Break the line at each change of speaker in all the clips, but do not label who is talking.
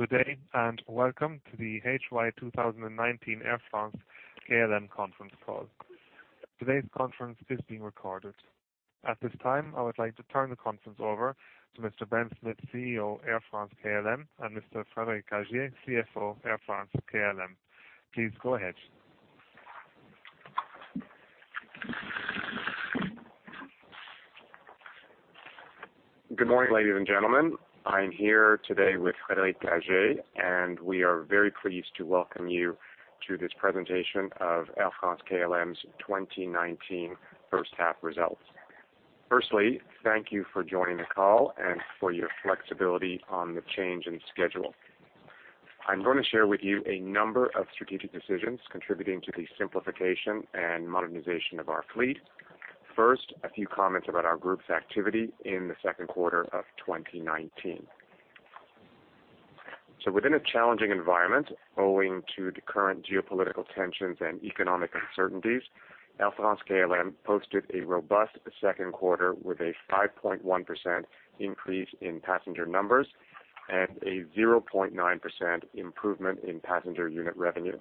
Good day, and welcome to the HY 2019 Air France-KLM conference call. Today's conference is being recorded. At this time, I would like to turn the conference over to Mr. Ben Smith, CEO Air France-KLM, and Mr. Frédéric Gagey, CFO Air France-KLM. Please go ahead.
Good morning, ladies and gentlemen. I am here today with Frédéric Gagey, and we are very pleased to welcome you to this presentation of Air France-KLM's 2019 first half results. Firstly, thank you for joining the call and for your flexibility on the change in schedule. I'm going to share with you a number of strategic decisions contributing to the simplification and modernization of our fleet. First, a few comments about our group's activity in the second quarter of 2019. Within a challenging environment, owing to the current geopolitical tensions and economic uncertainties, Air France-KLM posted a robust second quarter with a 5.1% increase in passenger numbers and a 0.9% improvement in passenger unit revenue.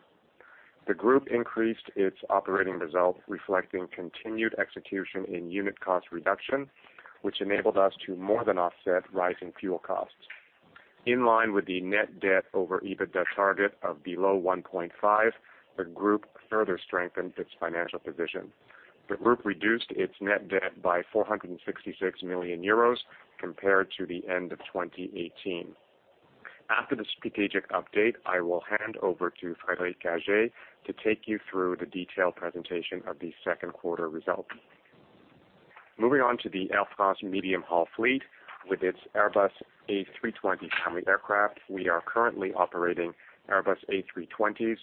The group increased its operating result, reflecting continued execution in unit cost reduction, which enabled us to more than offset rising fuel costs. In line with the net debt over EBITDA target of below 1.5, the group further strengthened its financial position. The group reduced its net debt by 466 million euros compared to the end of 2018. After the strategic update, I will hand over to Frédéric Gagey to take you through the detailed presentation of the second quarter results. Moving on to the Air France medium-haul fleet with its Airbus A320 family aircraft. We are currently operating Airbus A320s,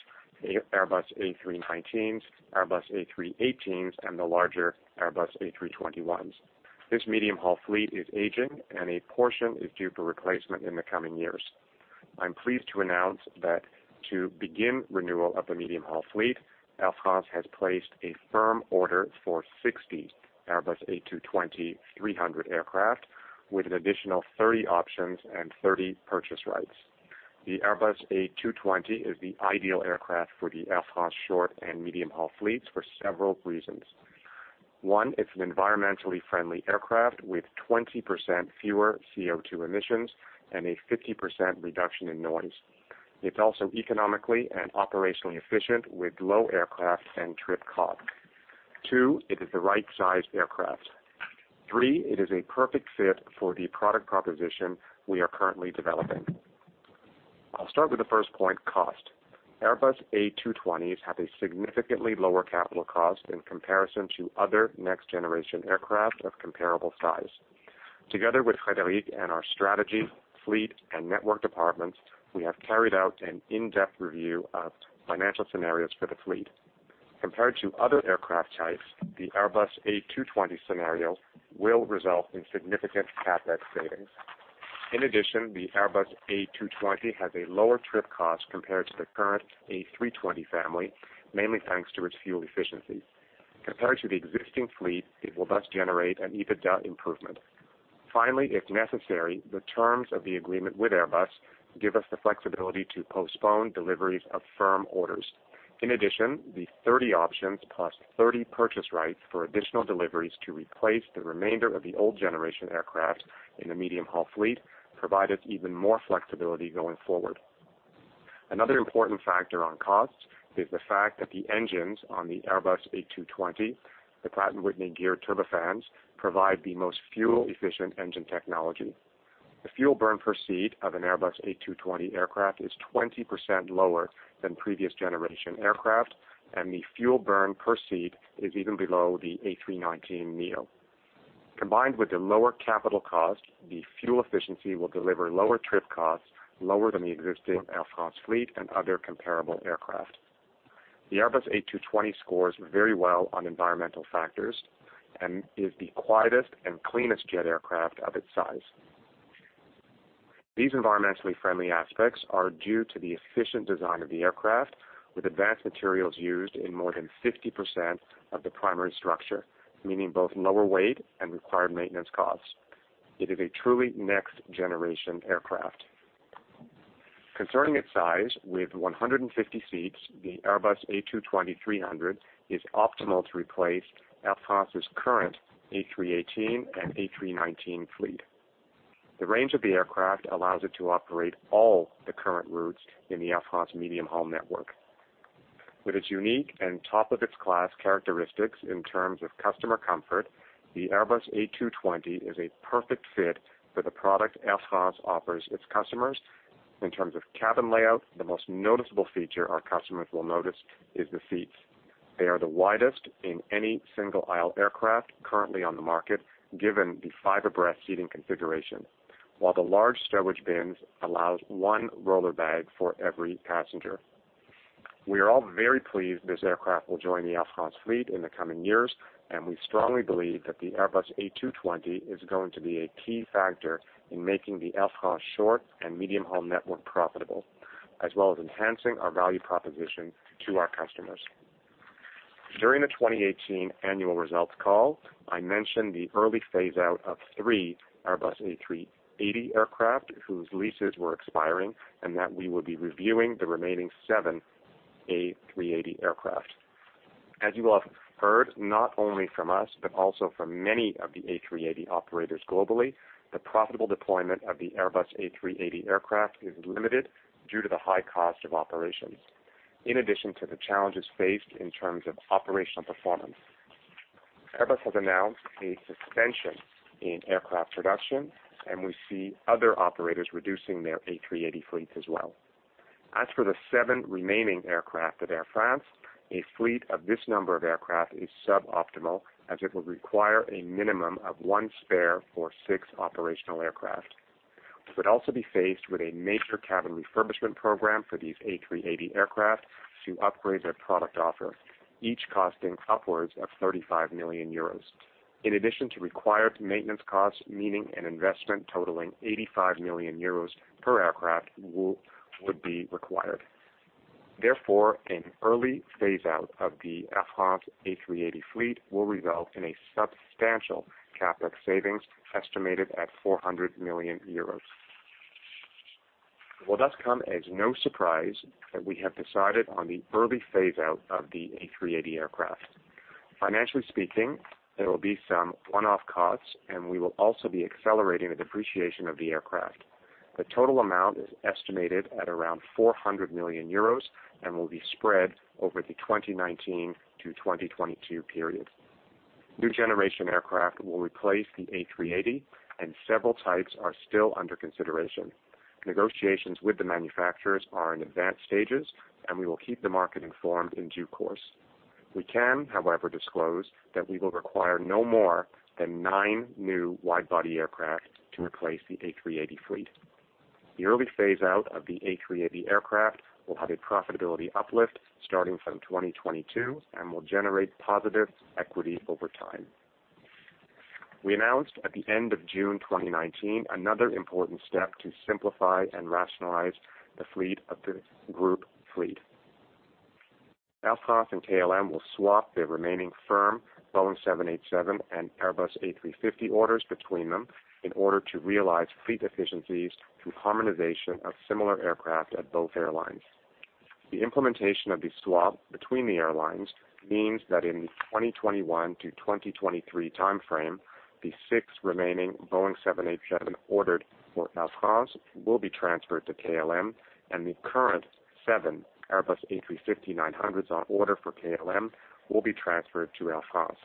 Airbus A319s, Airbus A318s, and the larger Airbus A321s. This medium-haul fleet is aging, and a portion is due for replacement in the coming years. I'm pleased to announce that to begin renewal of the medium-haul fleet, Air France has placed a firm order for 60 Airbus A220-300 aircraft, with an additional 30 options and 30 purchase rights. The Airbus A220 is the ideal aircraft for the Air France short and medium-haul fleets for several reasons. One, it's an environmentally friendly aircraft with 20% fewer CO2 emissions and a 50% reduction in noise. It's also economically and operationally efficient, with low aircraft and trip cost. Two, it is the right size aircraft. Three, it is a perfect fit for the product proposition we are currently developing. I'll start with the first point, cost. Airbus A220s have a significantly lower capital cost in comparison to other next-generation aircraft of comparable size. Together with Frédéric and our strategy, fleet, and network departments, we have carried out an in-depth review of financial scenarios for the fleet. Compared to other aircraft types, the Airbus A220 scenario will result in significant CapEx savings. The Airbus A220 has a lower trip cost compared to the current A320 family, mainly thanks to its fuel efficiency. Compared to the existing fleet, it will thus generate an EBITDA improvement. If necessary, the terms of the agreement with Airbus give us the flexibility to postpone deliveries of firm orders. In addition, the 30 options plus 30 purchase rights for additional deliveries to replace the remainder of the old generation aircraft in the medium-haul fleet provide us even more flexibility going forward. Another important factor on cost is the fact that the engines on the Airbus A220, the Pratt & Whitney geared turbofans, provide the most fuel-efficient engine technology. The fuel burn per seat of an Airbus A220 aircraft is 20% lower than previous generation aircraft, and the fuel burn per seat is even below the A319neo. Combined with the lower capital cost, the fuel efficiency will deliver lower trip costs, lower than the existing Air France fleet and other comparable aircraft. The Airbus A220 scores very well on environmental factors and is the quietest and cleanest jet aircraft of its size. These environmentally friendly aspects are due to the efficient design of the aircraft, with advanced materials used in more than 50% of the primary structure, meaning both lower weight and required maintenance costs. It is a truly next-generation aircraft. Concerning its size, with 150 seats, the Airbus A220-300 is optimal to replace Air France's current A318 and A319 fleet. The range of the aircraft allows it to operate all the current routes in the Air France medium-haul network. With its unique and top-of-its-class characteristics in terms of customer comfort, the Airbus A220 is a perfect fit for the product Air France offers its customers. In terms of cabin layout, the most noticeable feature our customers will notice is the seats. They are the widest in any single-aisle aircraft currently on the market, given the five abreast seating configuration. While the large stowage bins allow one roller bag for every passenger. We are all very pleased this aircraft will join the Air France fleet in the coming years, and we strongly believe that the Airbus A220 is going to be a key factor in making the Air France short and medium-haul network profitable, as well as enhancing our value proposition to our customers. During the 2018 annual results call, I mentioned the early phase-out of three Airbus A380 aircraft whose leases were expiring, and that we would be reviewing the remaining seven A380 aircraft. As you will have heard, not only from us but also from many of the A380 operators globally, the profitable deployment of the Airbus A380 aircraft is limited due to the high cost of operations, in addition to the challenges faced in terms of operational performance. We see other operators reducing their A380 fleets as well. As for the seven remaining aircraft at Air France, a fleet of this number of aircraft is suboptimal, as it would require a minimum of one spare for six operational aircraft. We would also be faced with a major cabin refurbishment program for these A380 aircraft to upgrade their product offer, each costing upwards of 35 million euros. In addition to required maintenance costs, meaning an investment totaling 85 million euros per aircraft would be required. An early phase-out of the Air France A380 fleet will result in a substantial CapEx savings estimated at 400 million euros. It will thus come as no surprise that we have decided on the early phase-out of the A380 aircraft. Financially speaking, there will be some one-off costs, and we will also be accelerating the depreciation of the aircraft. The total amount is estimated at around 400 million euros and will be spread over the 2019 to 2022 period. New generation aircraft will replace the A380, and several types are still under consideration. Negotiations with the manufacturers are in advanced stages, and we will keep the market informed in due course. We can, however, disclose that we will require no more than nine new wide-body aircraft to replace the A380 fleet. The early phase-out of the A380 aircraft will have a profitability uplift starting from 2022 and will generate positive equity over time. We announced at the end of June 2019, another important step to simplify and rationalize the group fleet. Air France and KLM will swap their remaining firm Boeing 787 and Airbus A350 orders between them in order to realize fleet efficiencies through harmonization of similar aircraft at both airlines. The implementation of the swap between the airlines means that in the 2021 to 2023 timeframe, the six remaining Boeing 787 ordered for Air France will be transferred to KLM, and the current seven Airbus A350-900s on order for KLM will be transferred to Air France.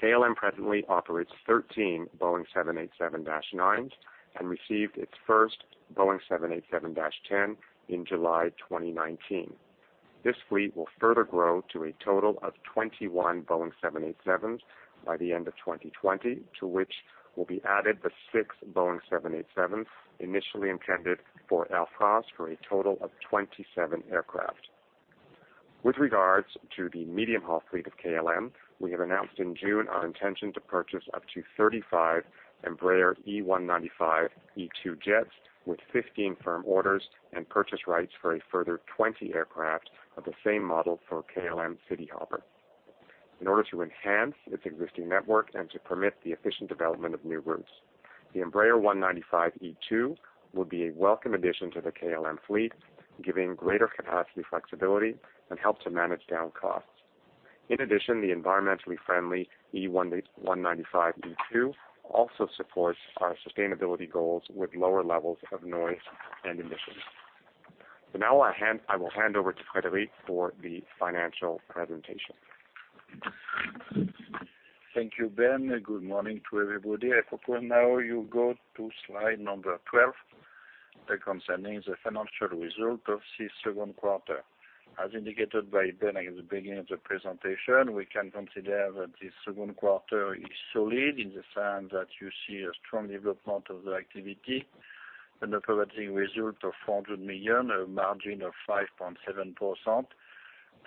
KLM presently operates 13 Boeing 787-9s and received its first Boeing 787-10 in July 2019. This fleet will further grow to a total of 21 Boeing 787s by the end of 2020, to which will be added the six Boeing 787s initially intended for Air France for a total of 27 aircraft. With regards to the medium-haul fleet of KLM, we have announced in June our intention to purchase up to 35 Embraer E195-E2 jets with 15 firm orders and purchase rights for a further 20 aircraft of the same model for KLM Cityhopper. In order to enhance its existing network and to permit the efficient development of new routes, the Embraer E195-E2 will be a welcome addition to the KLM fleet, giving greater capacity flexibility and help to manage down costs. In addition, the environmentally friendly E195-E2 also supports our sustainability goals with lower levels of noise and emissions. Now I will hand over to Frédéric for the financial presentation.
Thank you, Ben. Good morning to everybody. I propose now you go to slide number 12 concerning the financial result of this second quarter. As indicated by Ben at the beginning of the presentation, we can consider that this second quarter is solid in the sense that you see a strong development of the activity and operating result of 400 million, a margin of 5.7%,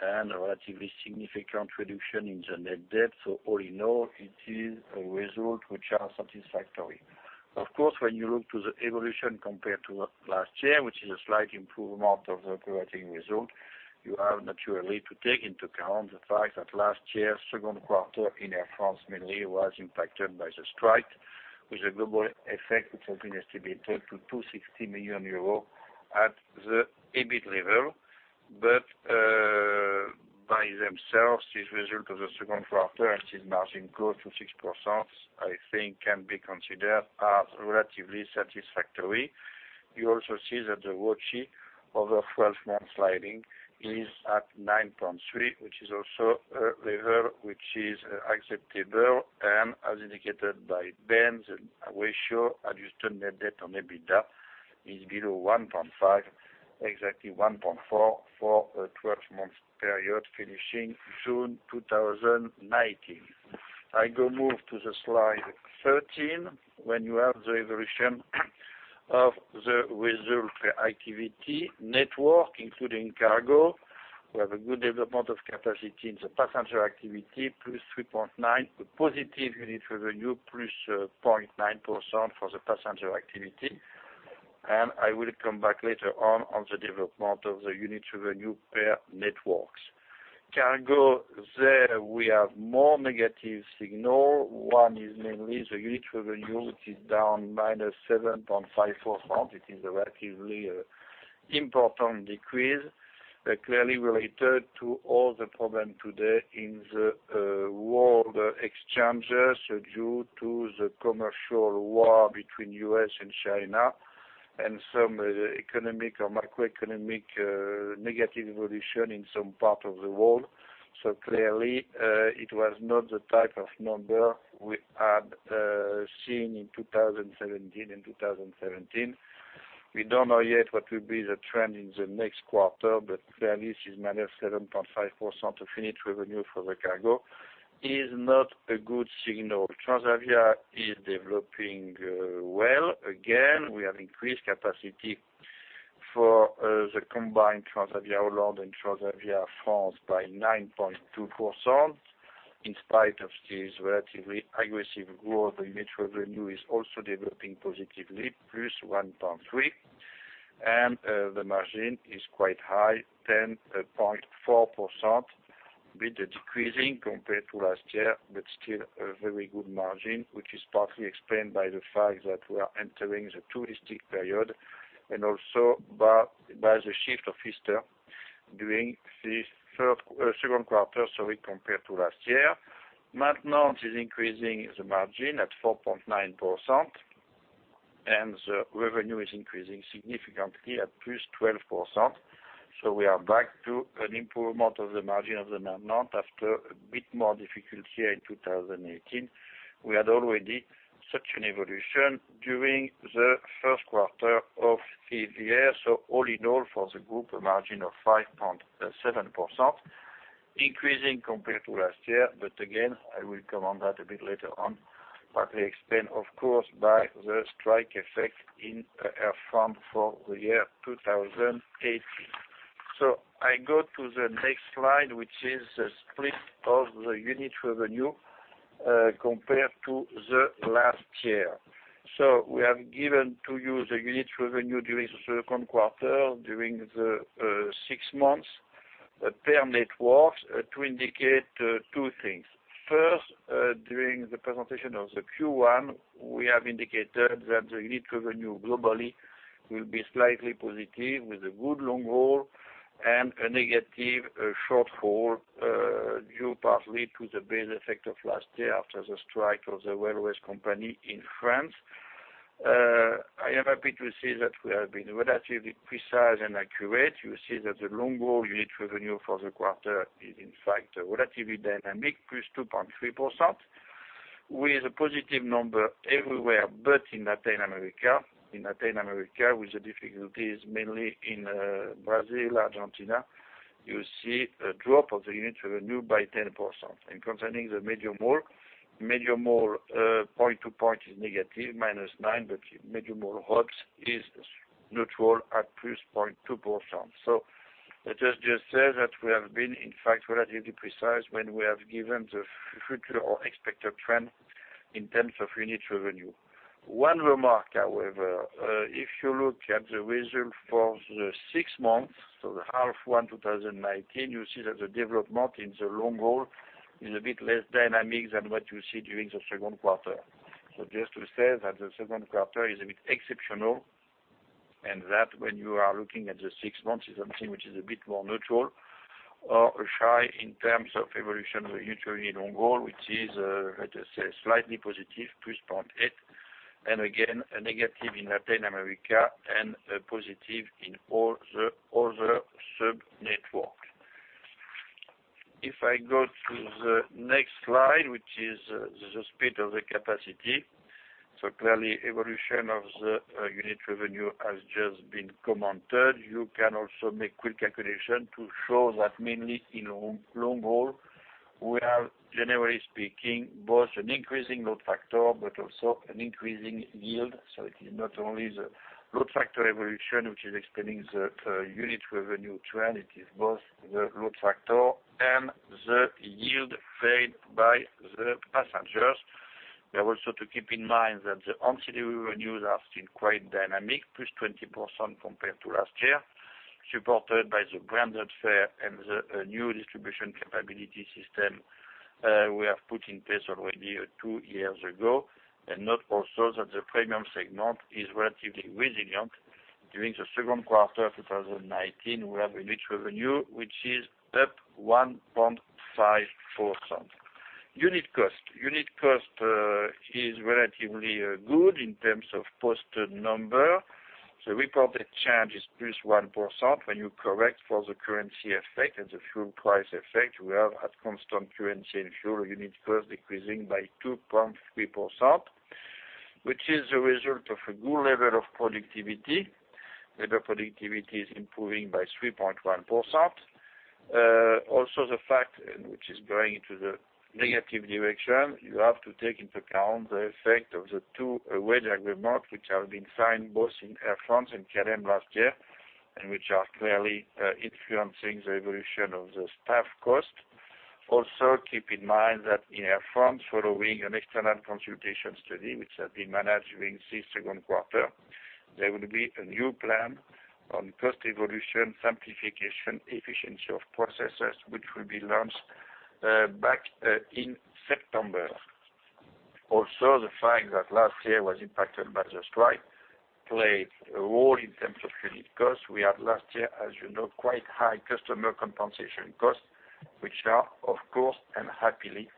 and a relatively significant reduction in the net debt. So, all in all, it is a result which are satisfactory. Of course, when you look to the evolution compared to last year, which is a slight improvement of the operating result, you have naturally to take into account the fact that last year's second quarter in Air France mainly was impacted by the strike, with a global effect, which has been estimated to 260 million euros at the EBIT level. By themselves, this result of the second quarter and this margin close to 6%, I think can be considered as relatively satisfactory. You also see that the ROCE over 12 months sliding is at 9.3, which is also a level which is acceptable, and as indicated by Ben, the ratio adjusted net debt on EBITDA is below 1.5%, exactly 1.4% for a 12-month period finishing June 2019. I go move to the slide 13, where you have the evolution of the result activity network, including cargo. We have a good development of capacity in the passenger activity, +3.9, positive unit revenue, plus 0.9% for the passenger activity. I will come back later on the development of the unit revenue per networks. Cargo, there we have more negative signal. One is mainly the unit revenue, which is down -7.5%. It is a relatively important decrease, clearly related to all the problem today in the world exchanges due to the commercial war between U.S. and China, and some economic or macroeconomic negative evolution in some part of the world. Clearly, it was not the type of number we had seen in 2017. We don't know yet what will be the trend in the next quarter, but clearly, since -7.5% of unit revenue for the cargo is not a good signal. Transavia is developing well. Again, we have increased capacity for the combined Transavia Holland and Transavia France by 9.2%. In spite of this relatively aggressive growth, the unit revenue is also developing positively, +1.3%. The margin is quite high, 10.4%, bit decreasing compared to last year, but still a very good margin, which is partly explained by the fact that we are entering the touristic period, and also by the shift of Easter during the second quarter compared to last year. Maintenance is increasing the margin at 4.9%, and the revenue is increasing significantly at +12%. We are back to an improvement of the margin of the maintenance after a bit more difficult year in 2018. We had already such an evolution during the first quarter of this year. All in all, for the group, a margin of 5.7%, increasing compared to last year. Again, I will come on that a bit later on. Partly explained, of course, by the strike effect in Air France for the year 2018. I go to the next slide, which is the split of the unit revenue compared to the last year. We have given to you the unit revenue during the second quarter, during the six months, per networks, to indicate two things. First, during the presentation of the Q1, we have indicated that the unit revenue globally will be slightly positive with a good long-haul and a negative short-haul, due partly to the base effect of last year after the strike of the railways company in France. I am happy to say that we have been relatively precise and accurate. You see that the long-haul unit revenue for the quarter is in fact relatively dynamic, +2.3%, with a positive number everywhere but in Latin America. In Latin America, with the difficulties mainly in Brazil, Argentina, you see a drop of the unit revenue by 10%. Concerning the medium-haul, point to point is negative, -9, but medium-haul HOP! is neutral at +2%. Let us just say that we have been, in fact, relatively precise when we have given the future or expected trend in terms of unit revenue. One remark, however. If you look at the result for the six months, so the half one 2019, you see that the development in the long-haul is a bit less dynamic than what you see during the second quarter. Just to say that the second quarter is a bit exceptional, and that when you are looking at the six months is something which is a bit more neutral or shy in terms of evolution of the unit revenue in long-haul, which is, let us say, slightly positive, +0.8%. Again, a negative in Latin America and a positive in all the other sub-network. If I go to the next slide, which is the split of the capacity. Clearly, evolution of the unit revenue has just been commented. You can also make quick calculation to show that mainly in long-haul, we have, generally speaking, both an increasing load factor but also an increasing yield. It is not only the load factor evolution which is explaining the unit revenue trend, it is both the load factor and the yield paid by the passengers. You have also to keep in mind that the ancillary revenues are still quite dynamic, +20% compared to last year, supported by the branded fare and the new distribution capability system we have put in place already two years ago. Note also that the premium segment is relatively resilient. During the second quarter 2019, we have a unit revenue which is up 1.5%. Unit cost. Unit cost is relatively good in terms of posted number. The reported change is +1%. When you correct for the currency effect and the fuel price effect, we have, at constant currency and fuel, unit cost decreasing by 2.3%, which is a result of a good level of productivity. Labor productivity is improving by 3.1%. The fact, and which is going into the negative direction, you have to take into account the effect of the two wage agreement which have been signed both in Air France and KLM last year, and which are clearly influencing the evolution of the staff cost. Keep in mind that in Air France, following an external consultation study, which has been managed during this second quarter, there will be a new plan on cost evolution, simplification, efficiency of processes, which will be launched back in September. The fact that last year was impacted by the strike, played a role in terms of unit costs. We had last year, as you know, quite high customer compensation costs, which are, of course, and happily,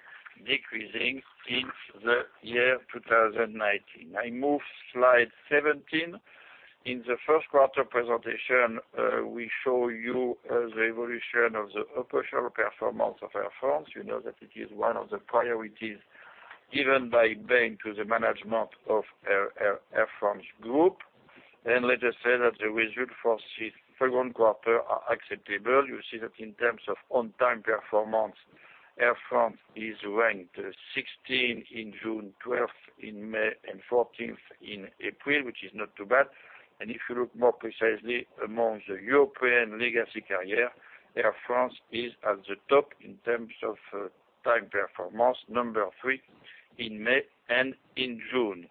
decreasing in the year 2019. I move slide 17. In the first quarter presentation, we show you the evolution of the operational performance of Air France. You know that it is one of the priorities given by Ben to the management of Air France Group. Let us say that the result for this second quarter are acceptable. You see that in terms of on-time performance, Air France is ranked 16 in June, 12 in May, and 14th in April, which is not too bad. If you look more precisely among the European legacy carrier, Air France is at the top in terms of time performance, number three in May and in June.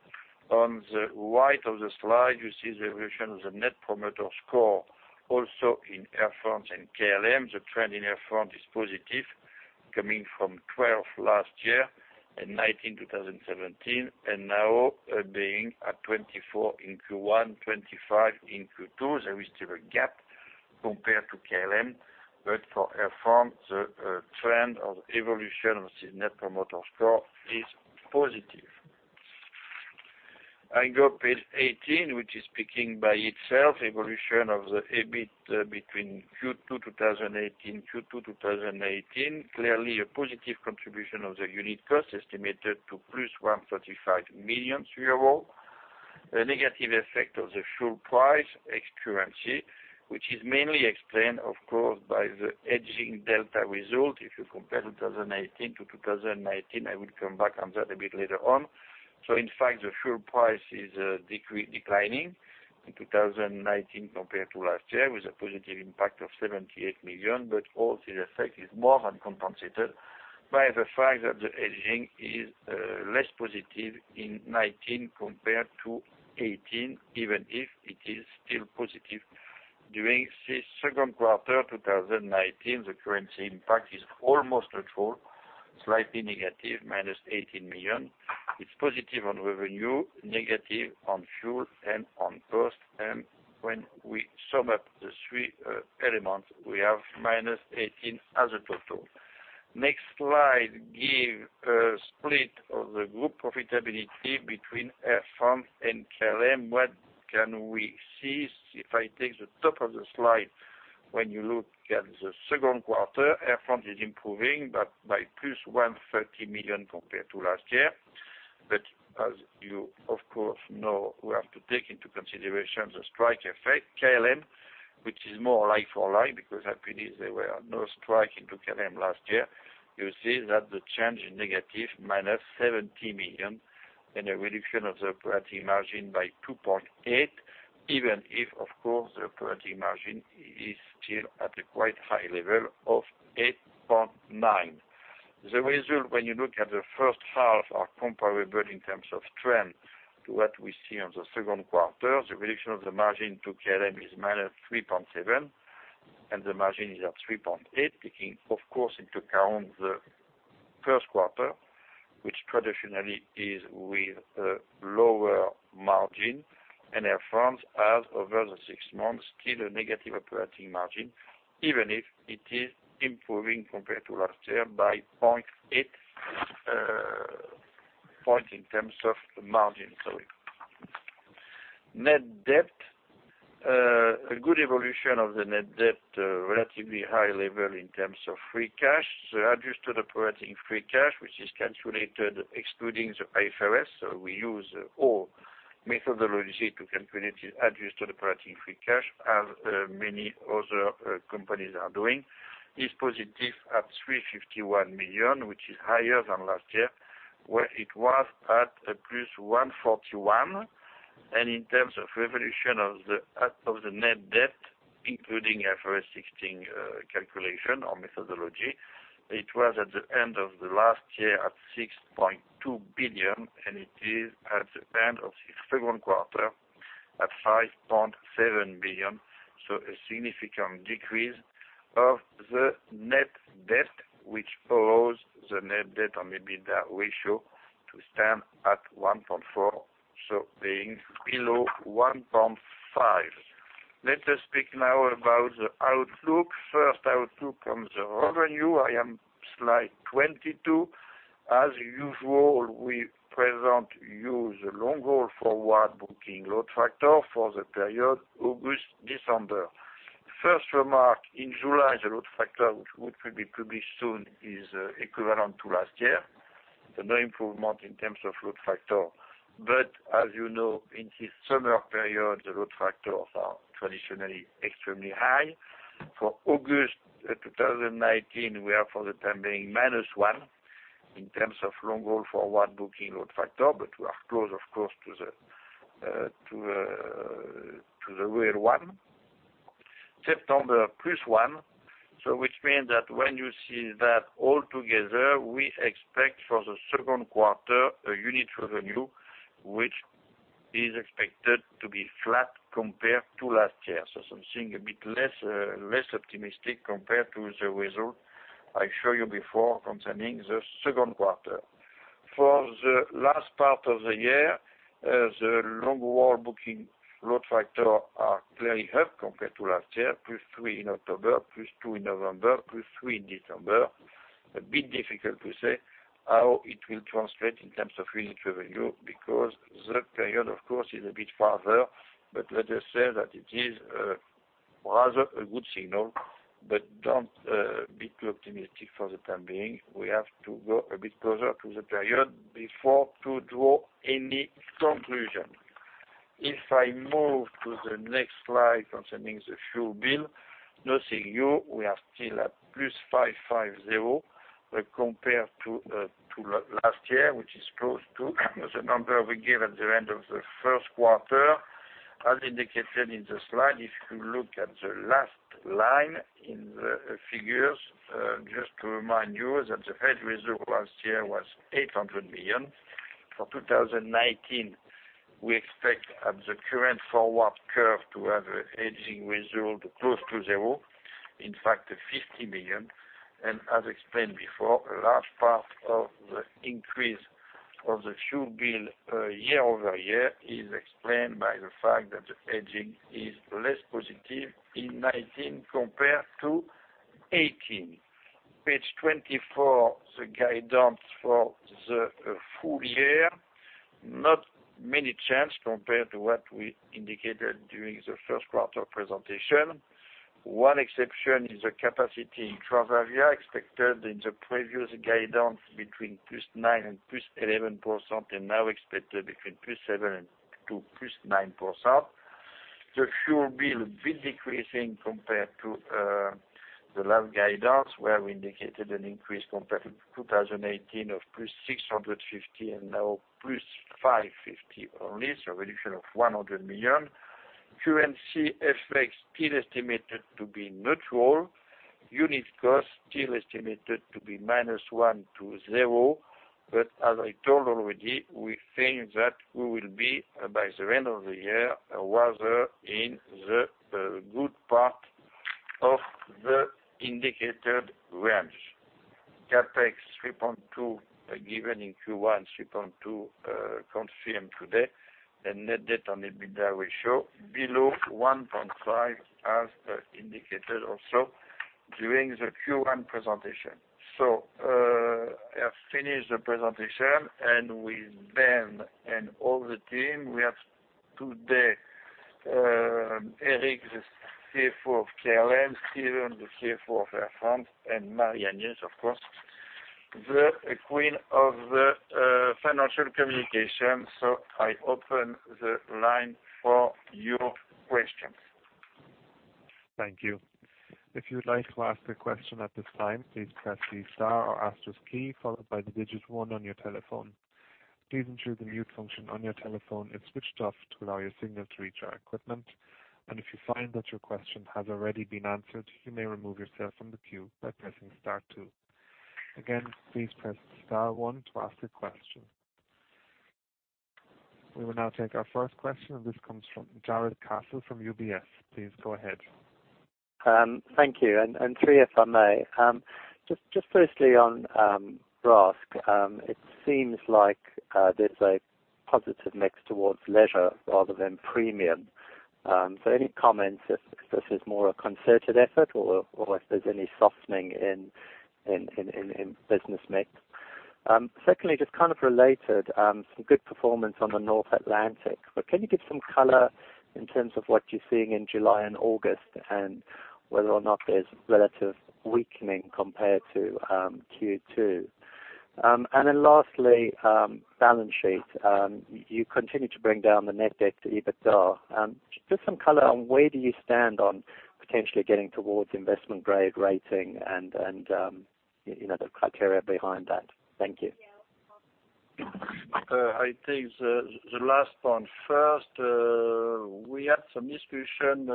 On the right of the slide, you see the evolution of the net promoter score also in Air France and KLM. The trend in Air France is positive, coming from 12 last year and 19, 2017, and now being at 24 in Q1, 25 in Q2. There is still a gap compared to KLM, but for Air France, the trend of evolution of the net promoter score is positive. I go page 18, which is speaking by itself, evolution of the EBIT between Q2 2018. Clearly a positive contribution of the unit cost estimated to plus 135 million euros. A negative effect of the fuel price, ex currency, which is mainly explained, of course, by the hedging delta result. If you compare 2018 to 2019, I will come back on that a bit later on. In fact, the fuel price is declining in 2019 compared to last year with a positive impact of 78 million, but all this effect is more than compensated by the fact that the hedging is less positive in 2019 compared to 2018, even if it is still positive. During this second quarter 2019, the currency impact is almost neutral, slightly negative, -18 million, it's positive on revenue, negative on fuel and on cost. When we sum up the three elements, we have -18 as a total. Next slide give a split of the group profitability between Air France and KLM. What can we see? If I take the top of the slide, when you look at the second quarter, Air France is improving but by +130 million compared to last year. As you of course know, we have to take into consideration the strike effect. KLM, which is more like for like, because happily, there were no strike into KLM last year. You see that the change is negative, -70 million, and a reduction of the operating margin by 2.8 percentage points, even if, of course, the operating margin is still at a quite high level of 8.9%. The result when you look at the first half are comparable in terms of trend to what we see on the second quarter. The reduction of the margin to KLM is -3.7, and the margin is at 3.8%, taking, of course, into account the first quarter, which traditionally is with a lower margin. Air France has, over the six months, still a negative operating margin, even if it is improving compared to last year by 0.8 percentage points in terms of margin, sorry. Net debt. A good evolution of the net debt, relatively high level in terms of free cash. The adjusted operating free cash, which is calculated excluding the IFRS, we use old methodology to calculate this adjusted operating free cash as many other companies are doing, is positive at 351 million, which is higher than last year, where it was at +141 million. In terms of evolution of the net debt, including IFRS 16 calculation or methodology, it was at the end of the last year at 6.2 billion, it is at the end of the second quarter at 5.7 billion. A significant decrease of the net debt, which allows the net debt on EBITDA ratio to stand at 1.4, being below 1.5. Let us speak now about the outlook. First outlook on the revenue. I am slide 22. As usual, we present you the long-haul forward booking load factor for the period August, December. First remark, in July, the load factor, which will be published soon, is equivalent to last year. No improvement in terms of load factor. As you know, in this summer period, the load factors are traditionally extremely high. For August 2019, we are for the time being -1 in terms of long-haul forward booking load factor, but we are close, of course, to the real one. September +1, which means that when you see that all together, we expect for the second quarter, a unit revenue, which is expected to be flat compared to last year. Something a bit less optimistic compared to the result I showed you before concerning the second quarter. For the last part of the year, the long-haul booking load factor are clearly up compared to last year, +3 in October, +2 in November, +3 in December. A bit difficult to say how it will translate in terms of unit revenue, because that period, of course, is a bit farther, but let us say that it is rather a good signal, but don't be too optimistic for the time being. We have to go a bit closer to the period before to draw any conclusion. If I move to the next slide concerning the fuel bill, nothing new, we are still at +550 million compared to last year, which is close to the number we gave at the end of the first quarter. As indicated in the slide, if you look at the last line in the figures, just to remind you that the hedge result last year was 800 million. For 2019, we expect at the current forward curve to have a hedging result close to zero. In fact, 50 million. As explained before, a large part of the increase of the fuel bill year-over-year is explained by the fact that the hedging is less positive in 2019 compared to 2018. Page 24, the guidance for the full year, not many changes compared to what we indicated during the first quarter presentation. One exception is the capacity in Transavia, expected in the previous guidance between +9% and +11%, now expected between +7% to +9%. The fuel bill a bit decreasing compared to the last guidance, where we indicated an increase compared to 2018 of +650, now +550 only, so a reduction of 100 million. Currency effects still estimated to be neutral. Unit cost still estimated to be -1% to 0%. As I told already, we think that we will be, by the end of the year, rather in the good part of the indicated range. CapEx 3.2, given in Q1, 3.2 confirmed today. The net debt on EBITDA we show below 1.5, as indicated also during the Q1 presentation. I have finished the presentation, and with Ben and all the team, we have today Erik, the CFO of KLM, Stephen, the CFO of Air France, and Marie-Agnès, of course, the queen of the financial communication. I open the line for your questions.
Thank you. If you'd like to ask a question at this time, please press the star or asterisk key followed by one on your telephone. Please ensure the mute function on your telephone is switched off to allow your signal to reach our equipment. If you find that your question has already been answered, you may remove yourself from the queue by pressing star two. Again, please press star one to ask a question. We will now take our first question, and this comes from Jarrod Castle from UBS. Please go ahead.
Thank you. Three, if I may. Firstly on RASK, it seems like there's a positive mix towards leisure rather than premium. Any comments if this is more a concerted effort or if there's any softening in business mix? Secondly, some good performance on the North Atlantic, can you give some color in terms of what you're seeing in July and August and whether or not there's relative weakening compared to Q2? Lastly, balance sheet. You continue to bring down the net debt to EBITDA. Some color on where do you stand on potentially getting towards investment grade rating and the criteria behind that. Thank you.
I take the last one first. We had some discussion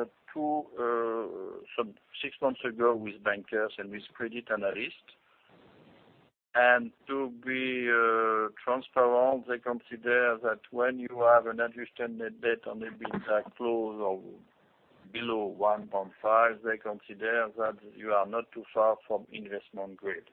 six months ago with bankers and with credit analysts. To be transparent, they consider that when you have an adjusted net debt on EBITDA close or below 1.5, they consider that you are not too far from investment grade.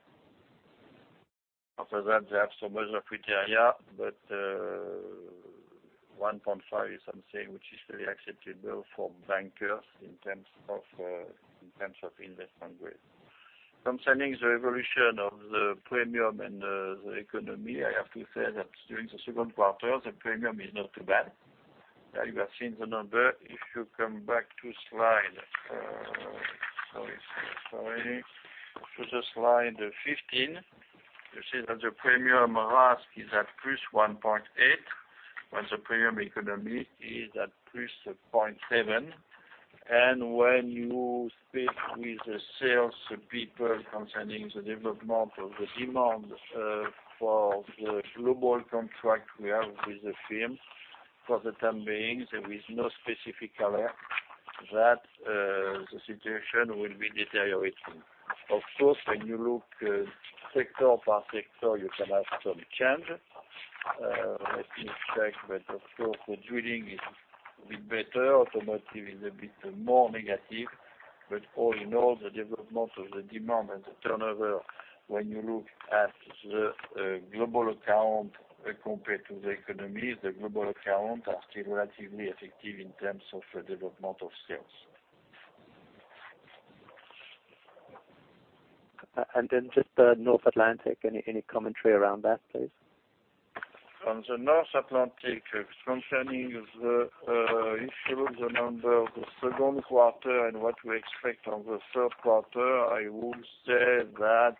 After that, they have so much of criteria, but 1.5 is something which is really acceptable for bankers in terms of investment grade. Concerning the evolution of the premium and the economy, I have to say that during the second quarter, the premium is not too bad. You have seen the number. If you come back to slide, sorry, to the slide 15, you see that the premium RASK is at +1.8, while the premium economy is at +0.7. When you speak with the sales people concerning the development of the demand for the global contract we have with the firms, for the time being, there is no specific alert that the situation will be deteriorating. Of course, when you look sector by sector, you can have some change. Let me check. Of course, the drilling is a bit better. Automotive is a bit more negative. All in all, the development of the demand and the turnover, when you look at the global account compared to the economies, the global accounts are still relatively effective in terms of the development of sales.
Just North Atlantic, any commentary around that, please?
On the North Atlantic, concerning the issue of the number of the second quarter and what we expect on the third quarter, I would say that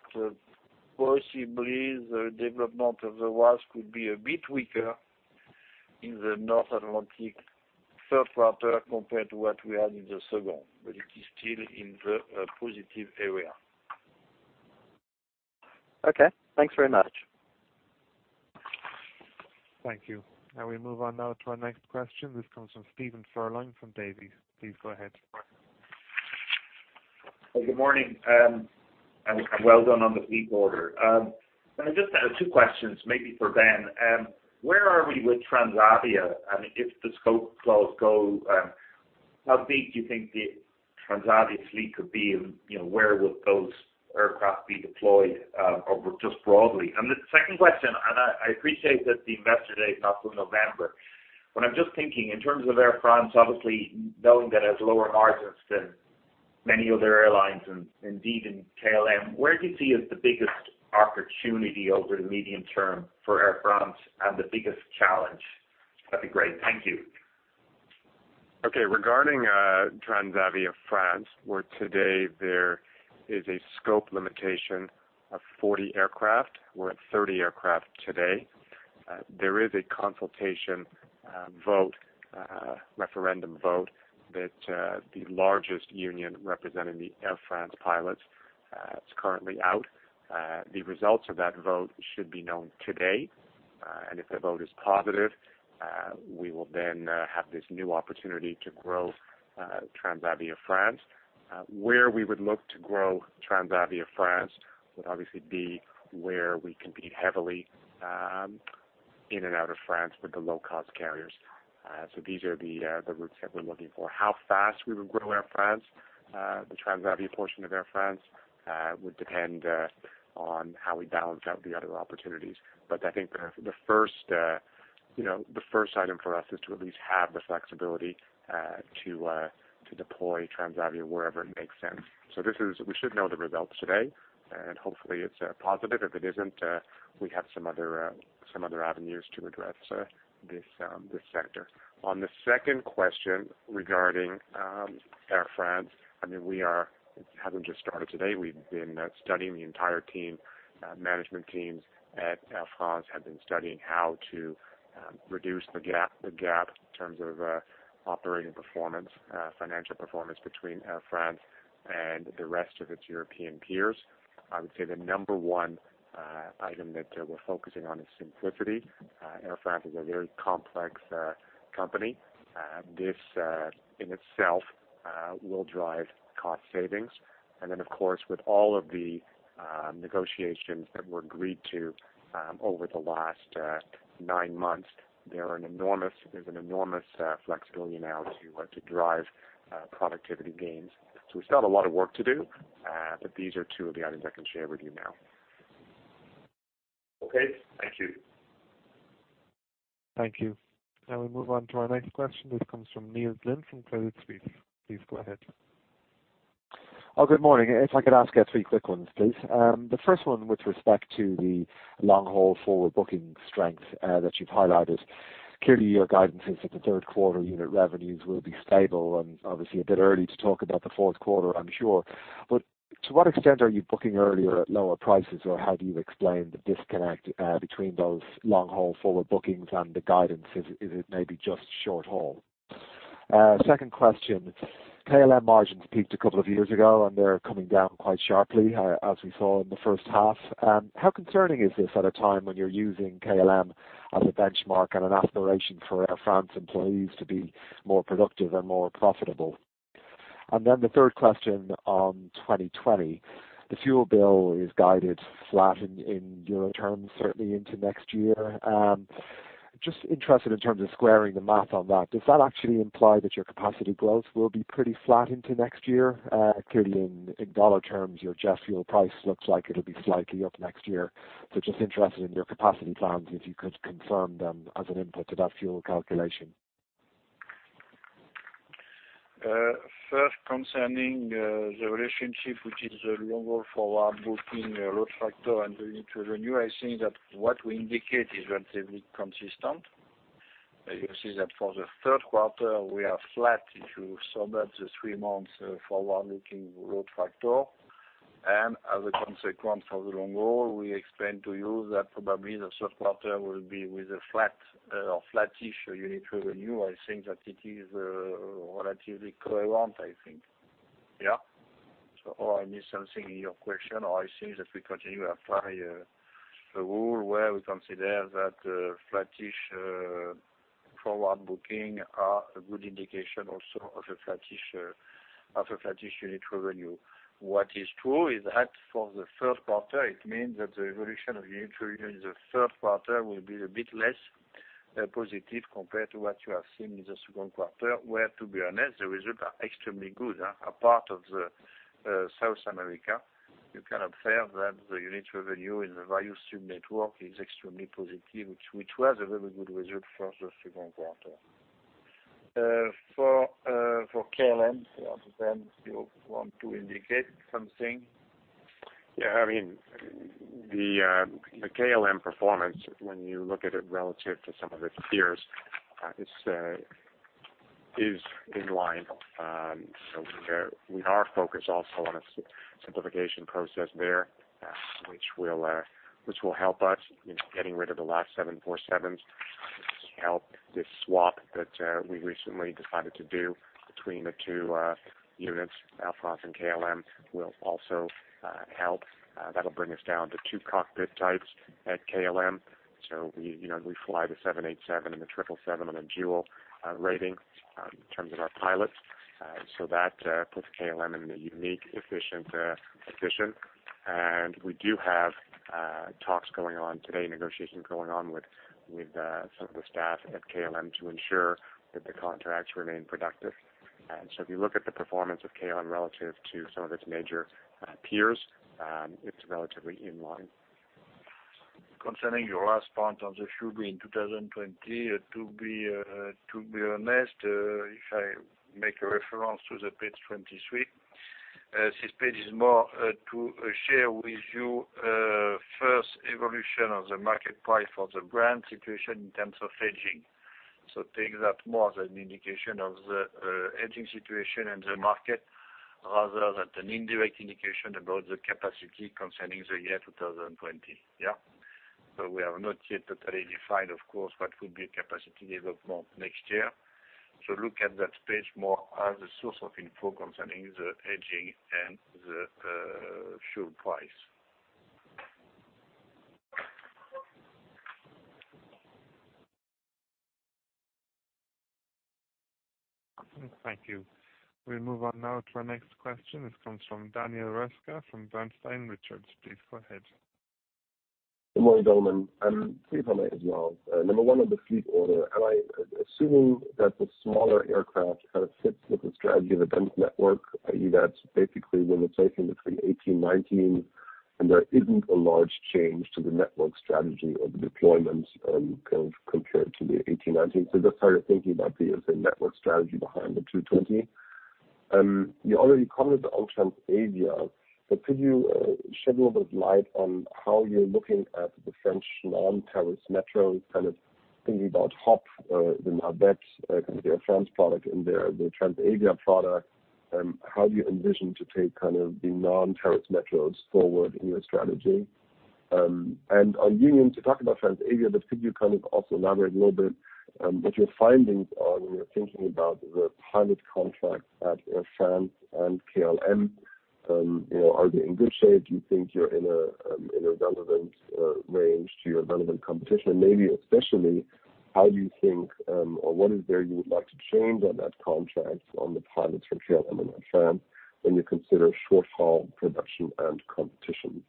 possibly the development of the RASK could be a bit weaker in the North Atlantic third quarter compared to what we had in the second, but it is still in the positive area.
Okay. Thanks very much.
Thank you. Now we move on now to our next question. This comes from Stephen Furlong from Davy. Please go ahead.
Good morning. Well done on the fleet order. I just have two questions, maybe for Ben. Where are we with Transavia? If the scope clause go, how big do you think the Transavia fleet could be, and where would those aircraft be deployed or just broadly? The second question, and I appreciate that the investor day is not till November, but I'm just thinking in terms of Air France, obviously knowing that has lower margins than many other airlines and indeed in KLM, where do you see is the biggest opportunity over the medium term for Air France and the biggest challenge? That'd be great. Thank you.
Regarding Transavia France, where today there is a scope limitation of 40 aircraft. We're at 30 aircraft today. There is a consultation vote, referendum vote that the largest union representing the Air France pilots, it's currently out. The results of that vote should be known today. If the vote is positive, we will then have this new opportunity to grow Transavia France. Where we would look to grow Transavia France would obviously be where we compete heavily, in and out of France with the low-cost carriers. These are the routes that we're looking for. How fast we would grow Air France, the Transavia portion of Air France, would depend on how we balance out the other opportunities. I think the first item for us is to at least have the flexibility to deploy Transavia wherever it makes sense. We should know the results today, and hopefully it's positive. If it isn't, we have some other avenues to address this sector. On the second question regarding Air France, we haven't just started today. We've been studying, the entire management teams at Air France have been studying how to reduce the gap in terms of operating performance, financial performance between Air France and the rest of its European peers. I would say the number one item that we're focusing on is simplicity. Air France is a very complex company. This in itself, will drive cost savings. Of course, with all of the negotiations that were agreed to over the last nine months, there's an enormous flexibility now to drive productivity gains. We still have a lot of work to do, but these are two of the items I can share with you now.
Okay. Thank you.
Thank you. Now we move on to our next question. This comes from Neil Glynn from Credit Suisse. Please go ahead.
Good morning. If I could ask three quick ones, please. The first one with respect to the long-haul forward booking strength that you've highlighted. Clearly, your guidance is that the third quarter unit revenues will be stable and obviously a bit early to talk about the fourth quarter, I'm sure. To what extent are you booking earlier at lower prices? How do you explain the disconnect between those long-haul forward bookings and the guidance? Is it maybe just short haul? Second question, KLM margins peaked a couple of years ago, and they're coming down quite sharply, as we saw in the first half. How concerning is this at a time when you're using KLM as a benchmark and an aspiration for Air France employees to be more productive and more profitable? The third question on 2020, the fuel bill is guided flat in euro terms, certainly into next year. Just interested in terms of squaring the math on that. Does that actually imply that your capacity growth will be pretty flat into next year? In USD terms, your jet fuel price looks like it'll be slightly up next year. Just interested in your capacity plans, if you could confirm them as an input to that fuel calculation.
First, concerning the relationship, which is the long-haul forward booking load factor and unit revenue, I think that what we indicate is relatively consistent. You see that for the third quarter, we are flat if you saw that the three months forward-looking load factor. As a consequence for the long haul, we explained to you that probably the third quarter will be with a flat or flattish unit revenue. I think that it is relatively coherent, I think. Yeah. I miss something in your question, or I think that we continue to apply the rule where we consider that flattish forward booking are a good indication also of a flattish unit revenue. What is true is that for the third quarter, it means that the evolution of unit revenue in the third quarter will be a bit less positive compared to what you have seen in the second quarter, where, to be honest, the result are extremely good. Apart of the South America, you can observe that the unit revenue in the Value Stream network is extremely positive, which was a very good result for the second quarter. For KLM, perhaps Ben, you want to indicate something?
Yeah. The KLM performance, when you look at it relative to some of its peers, is in line. We are focused also on a simplification process there, which will help us in getting rid of the last 747s, help this swap that we recently decided to do between the two units. Air France and KLM will also help. That'll bring us down to two cockpit types at KLM. We fly the 787 and the 777 on a dual rating in terms of our pilots. That puts KLM in a unique, efficient position. We do have talks going on today, negotiation going on with some of the staff at KLM to ensure that the contracts remain productive. If you look at the performance of KLM relative to some of its major peers, it's relatively in line.
Concerning your last point on the fuel in 2020, to be honest, if I make a reference to page 23, this page is more to share with you first evolution of the market price for the Brent situation in terms of hedging. Take that more as an indication of the hedging situation in the market rather than an indirect indication about the capacity concerning the year 2020. Yeah? We have not yet totally defined, of course, what will be capacity development next year. Look at that page more as a source of info concerning the hedging and the fuel price.
Thank you. We move on now to our next question. This comes from Daniel Röska from Bernstein Research. Please go ahead.
Good morning, gentlemen. Three from me as well. Number one on the fleet order. Am I assuming that the smaller aircraft kind of fits with the strategy of the dense network, i.e., that's basically replacing the A318, A319, and there isn't a large change to the network strategy or the deployment compared to the A318, A319? Just sort of thinking about the network strategy behind the A220. You already commented on Transavia, could you shed a little bit of light on how you're looking at the French non-Paris métropole? Kind of thinking about HOP!, the Navette, kind of the Air France product and the Transavia product. How do you envision to take kind of the non-Paris métropole forward in your strategy? Are you going to talk about Transavia, but could you kind of also elaborate a little bit what your findings are when you're thinking about the pilot contracts at Air France and KLM? Are they in good shape? Do you think you're in a relevant range to your relevant competition? Maybe especially, how you think, or what is there you would like to change on that contract on the pilots for KLM and Air France when you consider short-haul production and competition?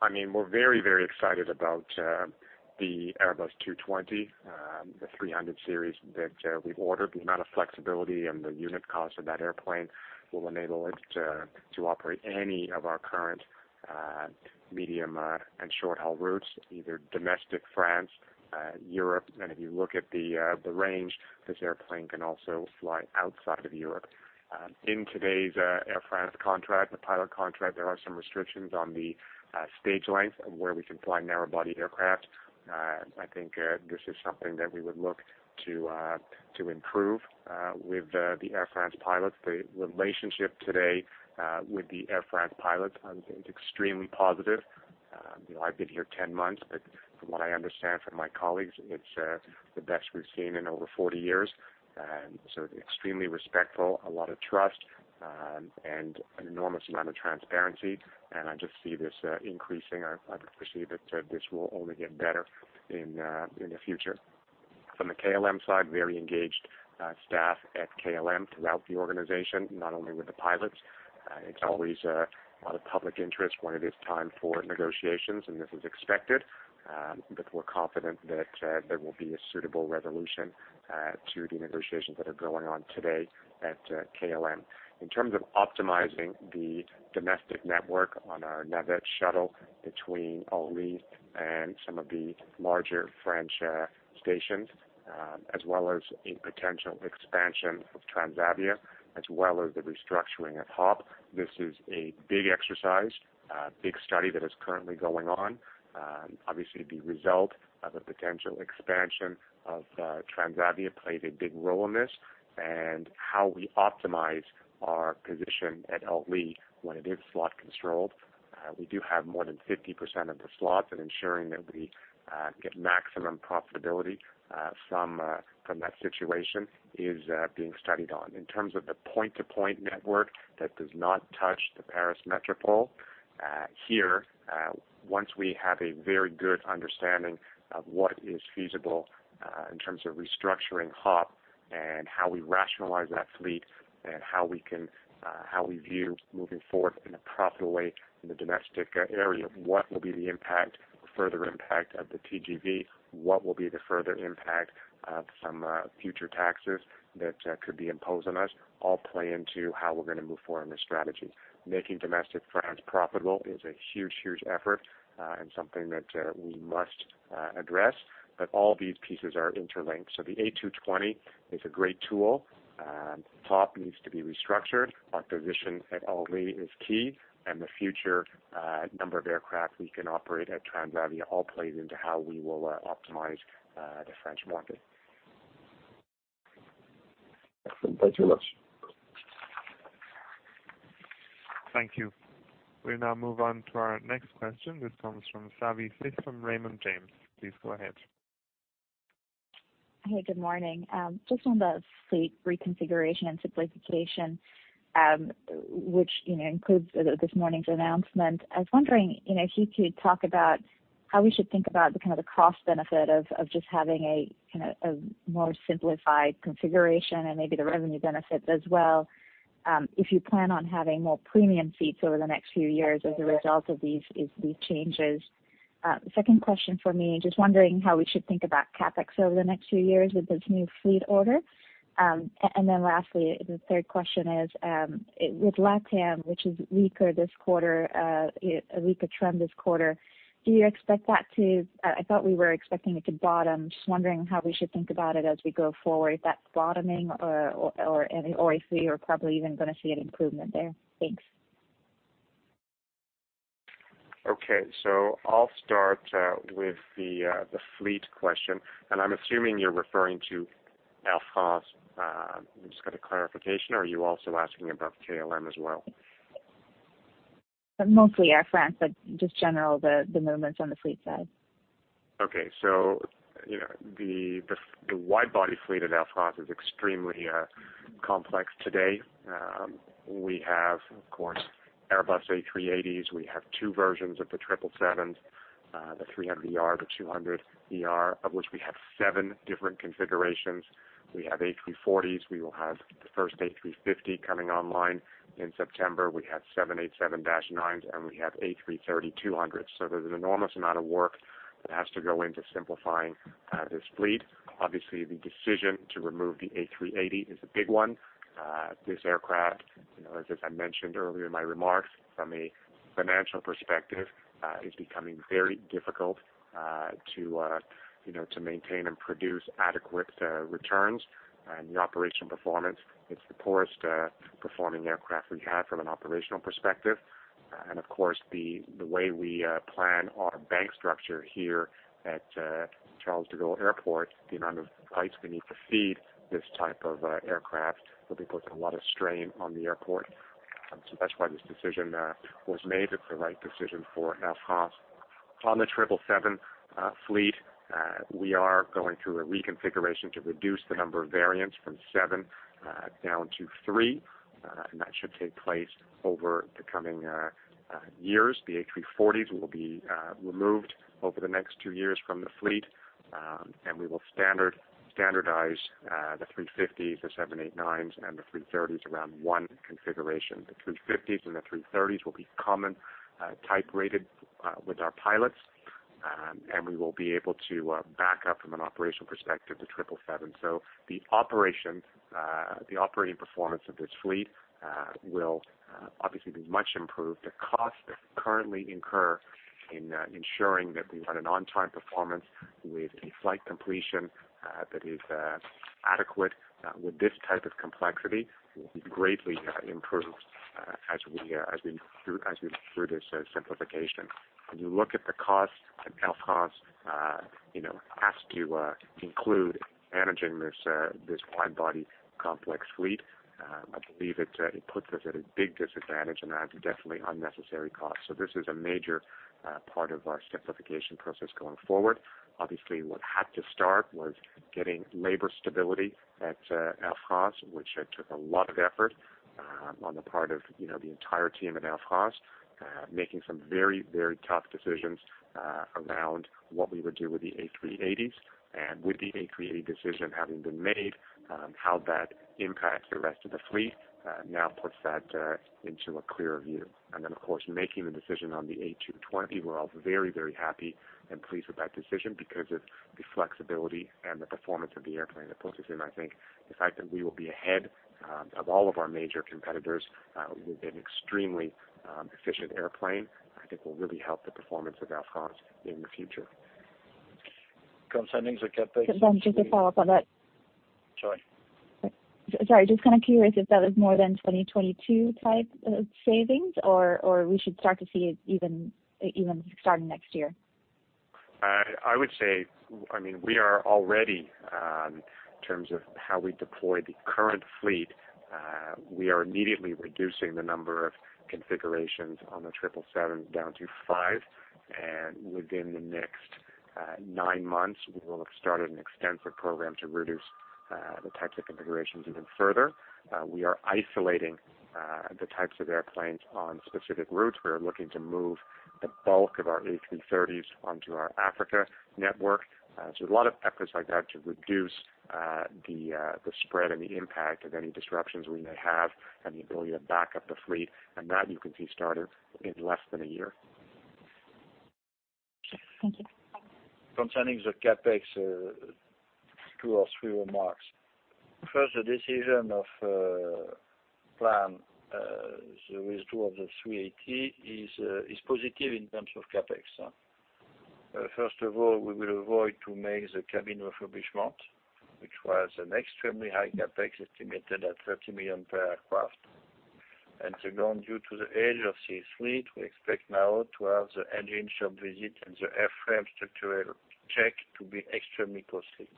We're very excited about the Airbus A220, the 300 series that we ordered. The amount of flexibility and the unit cost of that airplane will enable it to operate any of our current medium and short-haul routes, either domestic France, Europe, and if you look at the range, this airplane can also fly outside of Europe. In today's Air France contract, the pilot contract, there are some restrictions on the stage length of where we can fly narrow-bodied aircraft. I think this is something that we would look to improve with the Air France pilots. The relationship today with the Air France pilots, I think it's extremely positive. I've been here 10 months, but from what I understand from my colleagues, it's the best we've seen in over 40 years. Extremely respectful, a lot of trust, and an enormous amount of transparency, and I just see this increasing. I perceive that this will only get better in the future. From the KLM side, very engaged staff at KLM throughout the organization, not only with the pilots. It's always a lot of public interest when it is time for negotiations, and this is expected. We're confident that there will be a suitable resolution to the negotiations that are going on today at KLM. In terms of optimizing the domestic network on our Navette shuttle between Orly and some of the larger French stations, as well as a potential expansion of Transavia, as well as the restructuring at HOP!, this is a big exercise, a big study that is currently going on. The result of a potential expansion of Transavia played a big role in this, and how we optimize our position at Orly when it is slot controlled. We do have more than 50% of the slots and ensuring that we get maximum profitability from that situation is being studied on. In terms of the point-to-point network that does not touch the Paris métropole, once we have a very good understanding of what is feasible in terms of restructuring HOP! and how we rationalize that fleet and how we view moving forward in a proper way in the domestic area, what will be the impact, further impact of the TGV? What will be the further impact of some future taxes that could be imposed on us, all play into how we're going to move forward in the strategy. Making domestic France profitable is a huge effort, something that we must address. All these pieces are interlinked. The A220 is a great tool. HOP! needs to be restructured. Our position at Orly is key, and the future number of aircraft we can operate at Transavia all plays into how we will optimize the French market.
Excellent. Thank you very much.
Thank you. We'll now move on to our next question, which comes from Savanthi Syth from Raymond James. Please go ahead.
Hey, good morning. Just on the fleet reconfiguration and simplification, which includes this morning's announcement. I was wondering if you could talk about how we should think about the kind of the cost benefit of just having a more simplified configuration and maybe the revenue benefits as well, if you plan on having more premium seats over the next few years as a result of these changes. Second question for me, just wondering how we should think about CapEx over the next few years with this new fleet order. Lastly, the third question is, with LATAM, which is weaker this quarter, a weaker trend this quarter, I thought we were expecting it to bottom. Just wondering how we should think about it as we go forward, that bottoming or if we are probably even going to see an improvement there. Thanks.
Okay. I'll start with the fleet question, and I'm assuming you're referring to Air France. Just get a clarification, are you also asking about KLM as well?
Mostly Air France, but just general, the movements on the fleet side.
Okay, the wide-body fleet at Air France is extremely complex today. We have, of course, Airbus A380s. We have two versions of the 777, the 300ER, the 200ER, of which we have seven different configurations. We have A340s. We will have the first A350 coming online in September. We have seven 787-9s, and we have A330-200s. There's an enormous amount of work that has to go into simplifying this fleet. Obviously, the decision to remove the A380 is a big one. This aircraft, as I mentioned earlier in my remarks, from a financial perspective, is becoming very difficult to maintain and produce adequate returns and the operation performance. It's the poorest performing aircraft we have from an operational perspective. Of course, the way we plan our bank structure here at Charles de Gaulle Airport, the amount of flights we need to feed this type of aircraft will be putting a lot of strain on the airport. That's why this decision was made. It's the right decision for Air France. On the 777 fleet, we are going through a reconfiguration to reduce the number of variants from seven down to three. That should take place over the coming years. The A340s will be removed over the next two years from the fleet, and we will standardize the A350s, the 789s, and the A330s around one configuration. The A350s and the A330s will be common type-rated with our pilots, and we will be able to back up from an operational perspective, the 777. The operating performance of this fleet will obviously be much improved. The costs that currently incur in ensuring that we run an on-time performance with a flight completion that is adequate with this type of complexity will be greatly improved as we go through this simplification. When you look at the cost that Air France has to include managing this wide-body complex fleet, I believe it puts us at a big disadvantage and adds definitely unnecessary costs. This is a major part of our simplification process going forward. Obviously, what had to start was getting labor stability at Air France, which took a lot of effort on the part of the entire team at Air France, making some very tough decisions around what we would do with the A380s. With the A380 decision having been made, how that impacts the rest of the fleet now puts that into a clearer view. Of course, making the decision on the A220, we're all very happy and pleased with that decision because of the flexibility and the performance of the airplane. It puts us in, I think, the fact that we will be ahead of all of our major competitors with an extremely efficient airplane, I think will really help the performance of Air France in the future.
Concerning the CapEx.
Sorry, just to follow up on that.
Sorry.
Sorry, just kind of curious if that was more than 2022 type of savings or we should start to see it even starting next year?
I would say, we are already, in terms of how we deploy the current fleet. We are immediately reducing the number of configurations on the 777 down to 5. Within the next nine months, we will have started an extensive program to reduce the types of configurations even further. We are isolating the types of airplanes on specific routes. We are looking to move the bulk of our A330s onto our Africa network. A lot of efforts like that to reduce the spread and the impact of any disruptions we may have and the ability to back up the fleet. That you can see started in less than a year.
Thank you.
Concerning the CapEx, two or three remarks. First, the decision of plan, the withdrawal of the A380 is positive in terms of CapEx. First of all, we will avoid to make the cabin refurbishment, which was an extremely high CapEx, estimated at 30 million per aircraft. Second, due to the age of this fleet, we expect now to have the engine shop visit and the airframe structural check to be extremely costly.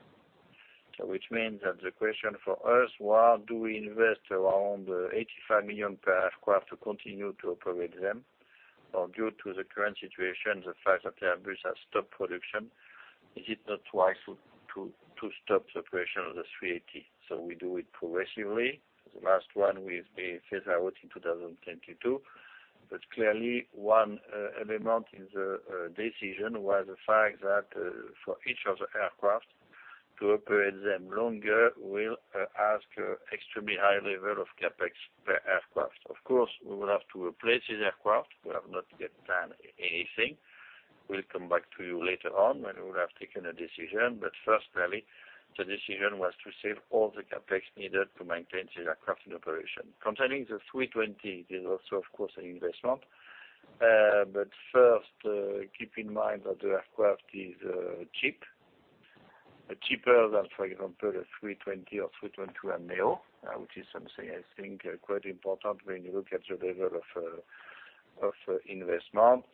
Which means that the question for us, why do we invest around 85 million per aircraft to continue to operate them? Due to the current situation, the fact that the Airbus has stopped production, is it not wise to stop the operation of the A380? We do it progressively. The last one will be phased out in 2022. Clearly one element in the decision was the fact that for each of the aircraft to operate them longer will ask extremely high level of CapEx per aircraft. Of course, we will have to replace these aircraft. We have not yet done anything. We'll come back to you later on when we will have taken a decision. First, clearly, the decision was to save all the CapEx needed to maintain the aircraft in operation. Concerning the A320, there's also, of course, an investment. First, keep in mind that the aircraft is cheap, cheaper than, for example, a A320 or A321neo, which is something I think quite important when you look at the level of investment.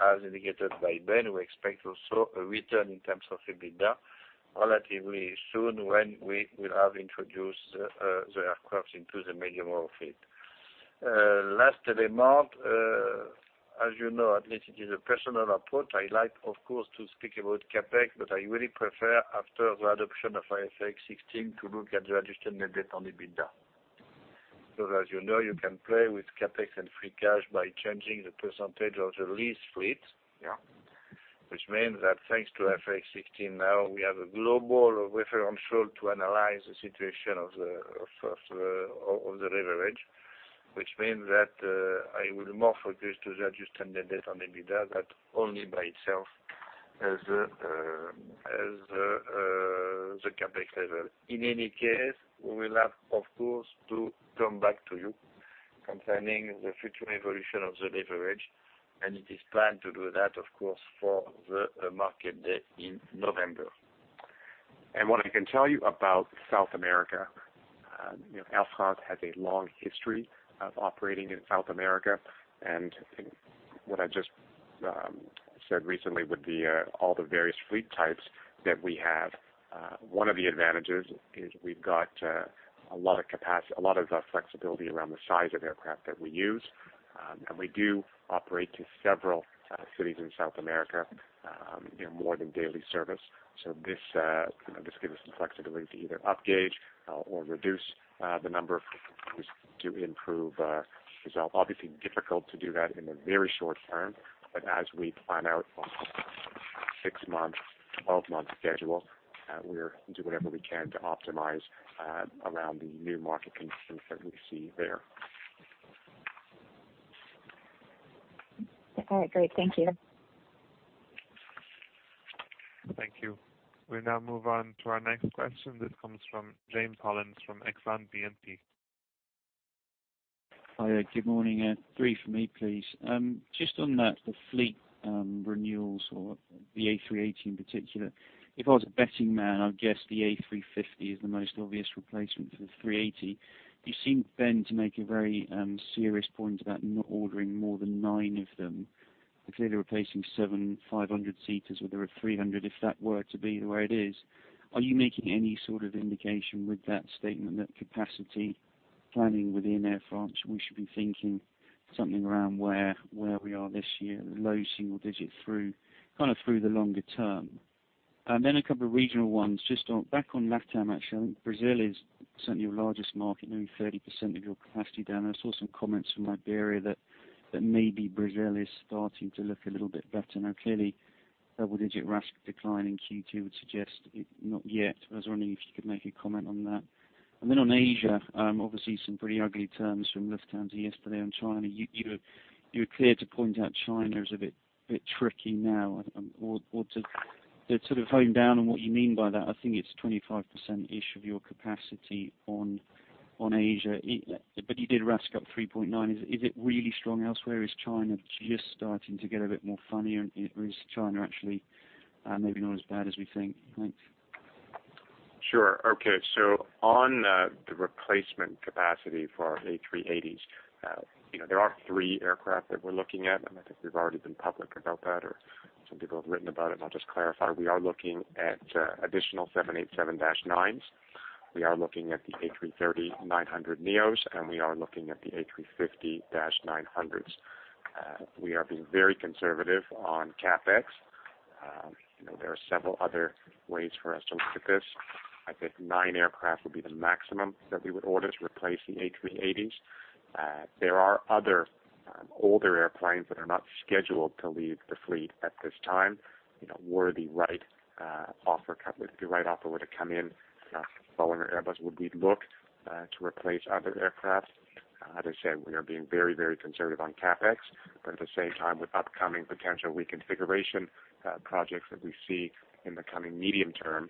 As indicated by Ben, we expect also a return in terms of EBITDA relatively soon when we will have introduced the aircraft into the medium haul fleet. Last element, as you know, at least it is a personal approach, I like, of course, to speak about CapEx, but I really prefer after the adoption of IFRS 16 to look at the adjusted net debt on EBITDA. As you know, you can play with CapEx and free cash by changing the percentage of the lease fleet.
Yeah.
Means that thanks to IFRS 16 now, we have a global reference rule to analyze the situation of the leverage. Means that I will more focus to the adjusted net debt on EBITDA that only by itself as the CapEx level. In any case, we will have, of course, to come back to you concerning the future evolution of the leverage, it is planned to do that, of course, for the market day in November.
What I can tell you about South America, Air France has a long history of operating in South America, and what I just said recently with all the various fleet types that we have. One of the advantages is we've got a lot of capacity, a lot of flexibility around the size of aircraft that we use. We do operate to several cities in South America, more than daily service. This gives us some flexibility to either up gauge or reduce the number of frequencies to improve result. Obviously, difficult to do that in the very short term, as we plan out on six months, 12 months schedule, we do whatever we can to optimize around the new market conditions that we see there.
All right, great. Thank you.
Thank you. We now move on to our next question. This comes from James Hollins from Exane BNP.
Hi. Good morning. Three from me, please. Just on the fleet renewals or the A380 in particular. If I was a betting man, I would guess the A350 is the most obvious replacement for the 380. You seemed, Ben, to make a very serious point about not ordering more than nine of them. Clearly replacing seven 500 seaters with a 300, if that were to be the way it is. Are you making any sort of indication with that statement that capacity planning within Air France, we should be thinking something around where we are this year, low single digit through the longer term? Then a couple of regional ones. Just back on LatAm, actually, Brazil is certainly your largest market, nearly 30% of your capacity down there. I saw some comments from Iberia that maybe Brazil is starting to look a little bit better. Clearly, double-digit RASK decline in Q2 would suggest not yet. I was wondering if you could make a comment on that. On Asia, obviously some pretty ugly terms from Lufthansa yesterday on China. You were clear to point out China is a bit tricky now. To sort of hone down on what you mean by that, I think it's 25%-ish of your capacity on Asia. You did RASK up 3.9. Is it really strong elsewhere? Is China just starting to get a bit more funnier, or is China actually maybe not as bad as we think? Thanks.
Sure. Okay. On the replacement capacity for our A380s, there are three aircraft that we're looking at, and I think we've already been public about that. Some people have written about it, and I'll just clarify. We are looking at additional 787-9s. We are looking at the A330-900neos, and we are looking at the A350-900s. We are being very conservative on CapEx. There are several other ways for us to look at this. I think nine aircraft would be the maximum that we would order to replace the A380s. There are other older airplanes that are not scheduled to leave the fleet at this time. Were the right offer were to come in from Boeing or Airbus, would we look to replace other aircraft? As I said, we are being very conservative on CapEx, but at the same time, with upcoming potential reconfiguration projects that we see in the coming medium term,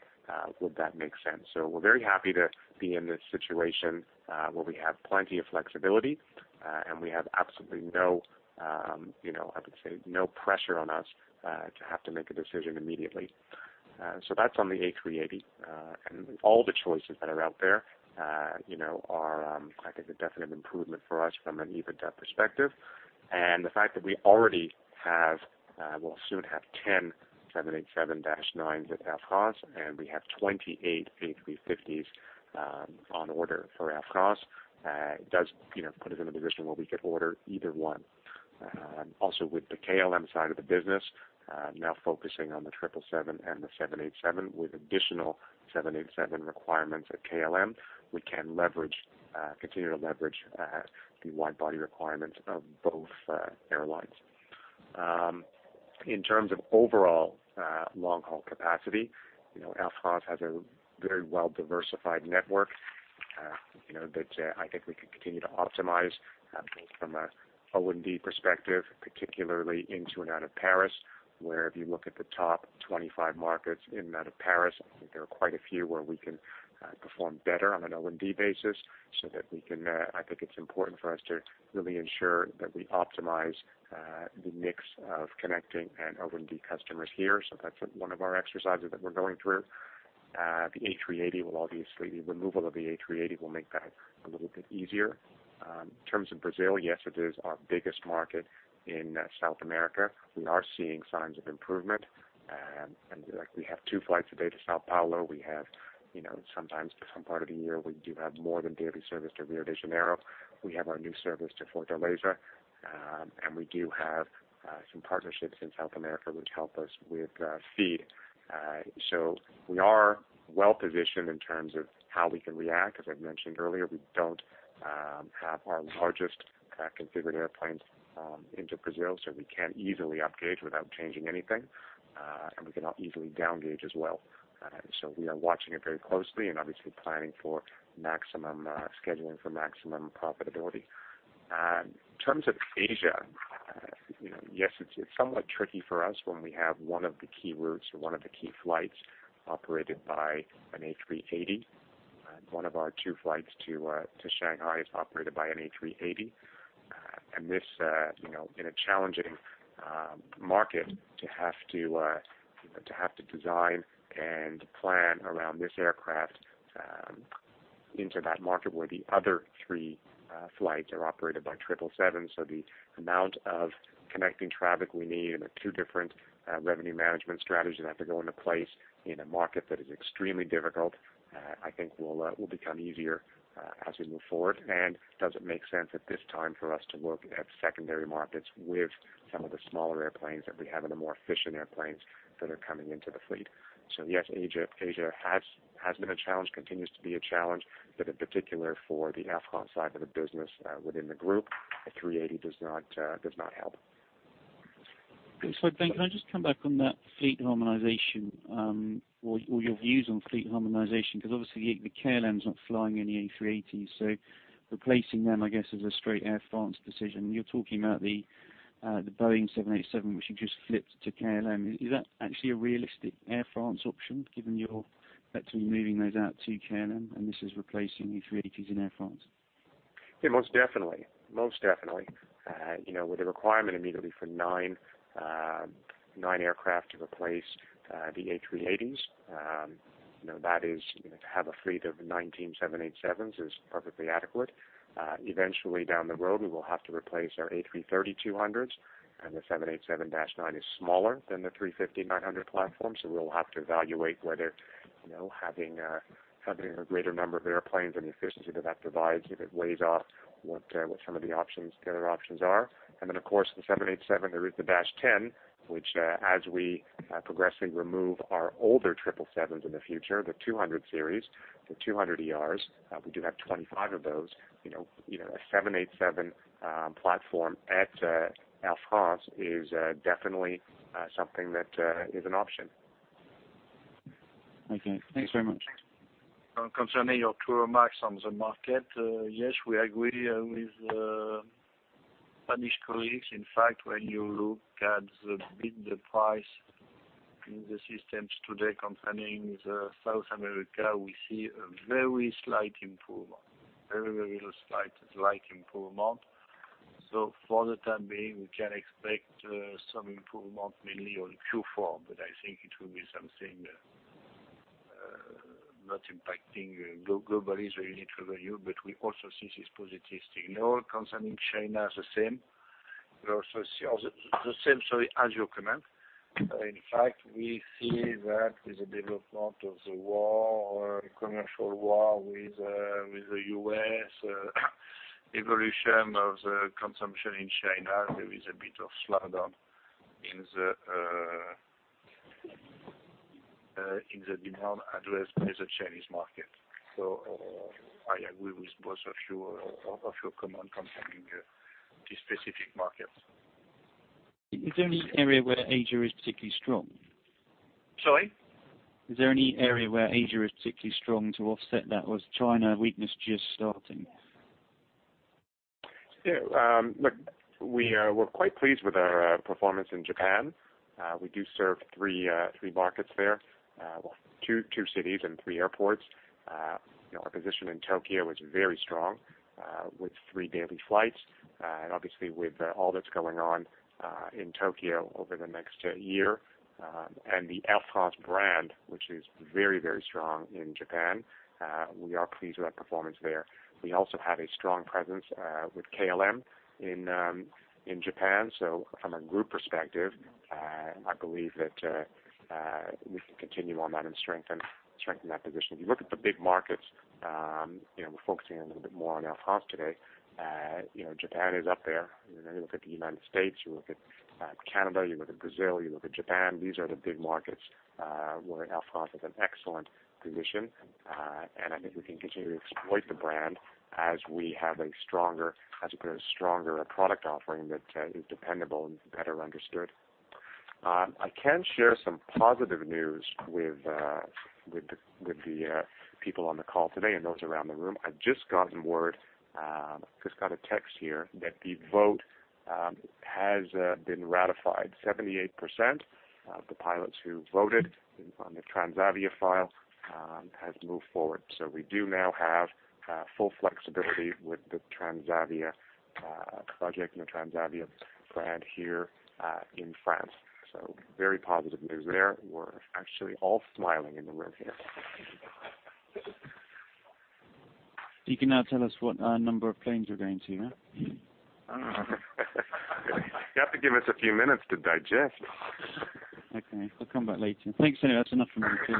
would that make sense? We're very happy to be in this situation where we have plenty of flexibility, and we have absolutely, I would say, no pressure on us to have to make a decision immediately. That's on the A380. All the choices that are out there are, I think, a definite improvement for us from an EBITDA perspective. The fact that we already will soon have 10 787-9s at Air France, and we have 28 A350s on order for Air France, does put us in a position where we could order either one. With the KLM side of the business now focusing on the 777 and the 787 with additional 787 requirements at KLM, we can continue to leverage the wide body requirements of both airlines. In terms of overall long-haul capacity, Air France has a very well-diversified network that I think we can continue to optimize, both from a O&D perspective, particularly into and out of Paris, where if you look at the top 25 markets in and out of Paris, I think there are quite a few where we can perform better on an O&D basis. I think it's important for us to really ensure that we optimize the mix of connecting and O&D customers here, so that's one of our exercises that we're going through. The removal of the A380 will make that a little bit easier. In terms of Brazil, yes, it is our biggest market in South America. We are seeing signs of improvement. We have two flights a day to São Paulo. Sometimes for some part of the year, we do have more than daily service to Rio de Janeiro. We have our new service to Fortaleza. We do have some partnerships in South America which help us with feed. We are well positioned in terms of how we can react. As I mentioned earlier, we don't have our largest configured airplanes into Brazil, so we can easily up gauge without changing anything. We can easily down gauge as well. We are watching it very closely and obviously planning for maximum scheduling for maximum profitability. In terms of Asia, yes, it's somewhat tricky for us when we have one of the key routes or one of the key flights operated by an A380. One of our two flights to Shanghai is operated by an A380. In a challenging market, to have to design and plan around this aircraft into that market where the other three flights are operated by 777s, the amount of connecting traffic we need and the two different revenue management strategies that have to go into place in a market that is extremely difficult, I think will become easier as we move forward. Does it make sense at this time for us to look at secondary markets with some of the smaller airplanes that we have and the more efficient airplanes that are coming into the fleet? Yes, Asia has been a challenge, continues to be a challenge, in particular for the Air France side of the business within the group, the 380 does not help.
Sorry, Ben, can I just come back on that fleet harmonization or your views on fleet harmonization? Obviously the KLM's not flying any A380s, replacing them, I guess, is a straight Air France decision. You're talking about the Boeing 787, which you just flipped to KLM. Is that actually a realistic Air France option, given you're meant to be moving those out to KLM and this is replacing A380s in Air France?
Yeah, most definitely. With the requirement immediately for nine aircraft to replace the A380s, to have a fleet of 19 787s is perfectly adequate. Eventually down the road, we will have to replace our A330, 200s, and the 787-9 is smaller than the 350, 900 platform, so we'll have to evaluate whether having a greater number of airplanes and the efficiency that provides, if it weighs off what some of the other options are. Of course, the 787, there is the -10, which as we progressively remove our older 777s in the future, the 200 series, the 200ERs, we do have 25 of those. A 787 platform at Air France is definitely something that is an option.
Okay. Thanks very much.
Concerning your two remarks on the market, yes, we agree with Spanish colleagues. When you look at the price in the systems today concerning South America, we see a very slight improvement. For the time being, we can expect some improvement mainly on Q4, but I think it will be something not impacting globally the unit revenue, but we also see this positive signal. Concerning China, the same. The same, sorry, as your comment. We see that with the development of the commercial war with the U.S., evolution of the consumption in China, there is a bit of slowdown in the demand addressed by the Chinese market. I agree with both of your comments concerning these specific markets.
Is there any area where Asia is particularly strong?
Sorry?
Is there any area where Asia is particularly strong to offset that, or is China weakness just starting?
Look, we're quite pleased with our performance in Japan. We do serve three markets there. Well, two cities and three airports. Our position in Tokyo is very strong, with three daily flights. Obviously with all that's going on in Tokyo over the next year, and the Air France brand, which is very strong in Japan, we are pleased with that performance there. We also have a strong presence with KLM in Japan. From a group perspective, I believe that we can continue on that and strengthen that position. If you look at the big markets, we're focusing a little bit more on Air France today. Japan is up there. You look at the United States, you look at Canada, you look at Brazil, you look at Japan. These are the big markets where Air France has an excellent position. I think we can continue to exploit the brand as we have a stronger product offering that is dependable and better understood. I can share some positive news with the people on the call today and those around the room. I've just gotten word, just got a text here, that the vote has been ratified. 78% of the pilots who voted on the Transavia file has moved forward. We do now have full flexibility with the Transavia project and the Transavia brand here in France. Very positive news there. We're actually all smiling in the room here.
You can now tell us what number of planes you're going to have?
You have to give us a few minutes to digest.
Okay. I'll come back later. Thanks anyway. That's enough for me, too.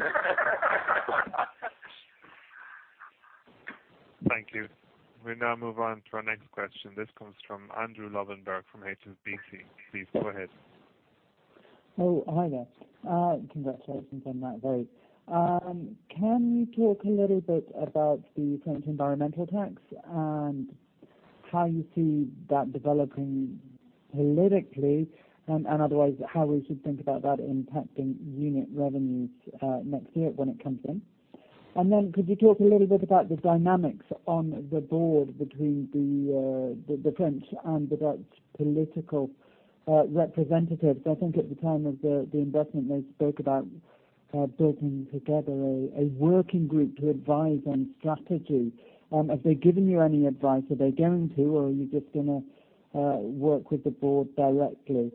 Thank you. We now move on to our next question. This comes from Andrew Lobbenberg from HSBC. Please go ahead.
Hi there. Congratulations on that vote. Can you talk a little bit about the French environmental tax and how you see that developing politically, and otherwise, how we should think about that impacting unit revenues next year when it comes in? Could you talk a little bit about the dynamics on the board between the French and the Dutch political representatives? I think at the time of the investment, they spoke about building together a working group to advise on strategy. Have they given you any advice? Are they going to, or are you just going to work with the board directly?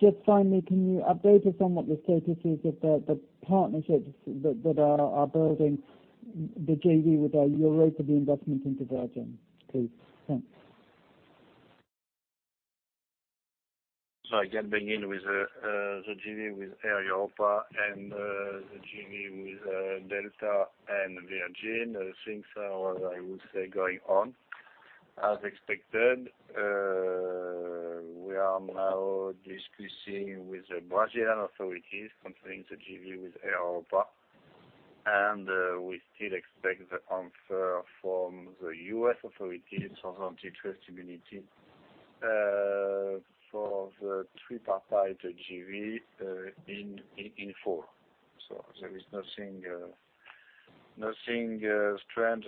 Just finally, can you update us on what the status is of the partnerships that are building the JV with your rate of the investment into Virgin, please? Thanks.
Again, beginning with the JV with Air Europa and the JV with Delta and Virgin, things are, I would say, going on as expected. We are now discussing with the Brazilian authorities concerning the JV with Air Europa, and we still expect the answer from the U.S. authorities on antitrust immunity for the three-party JV in four. There is nothing strange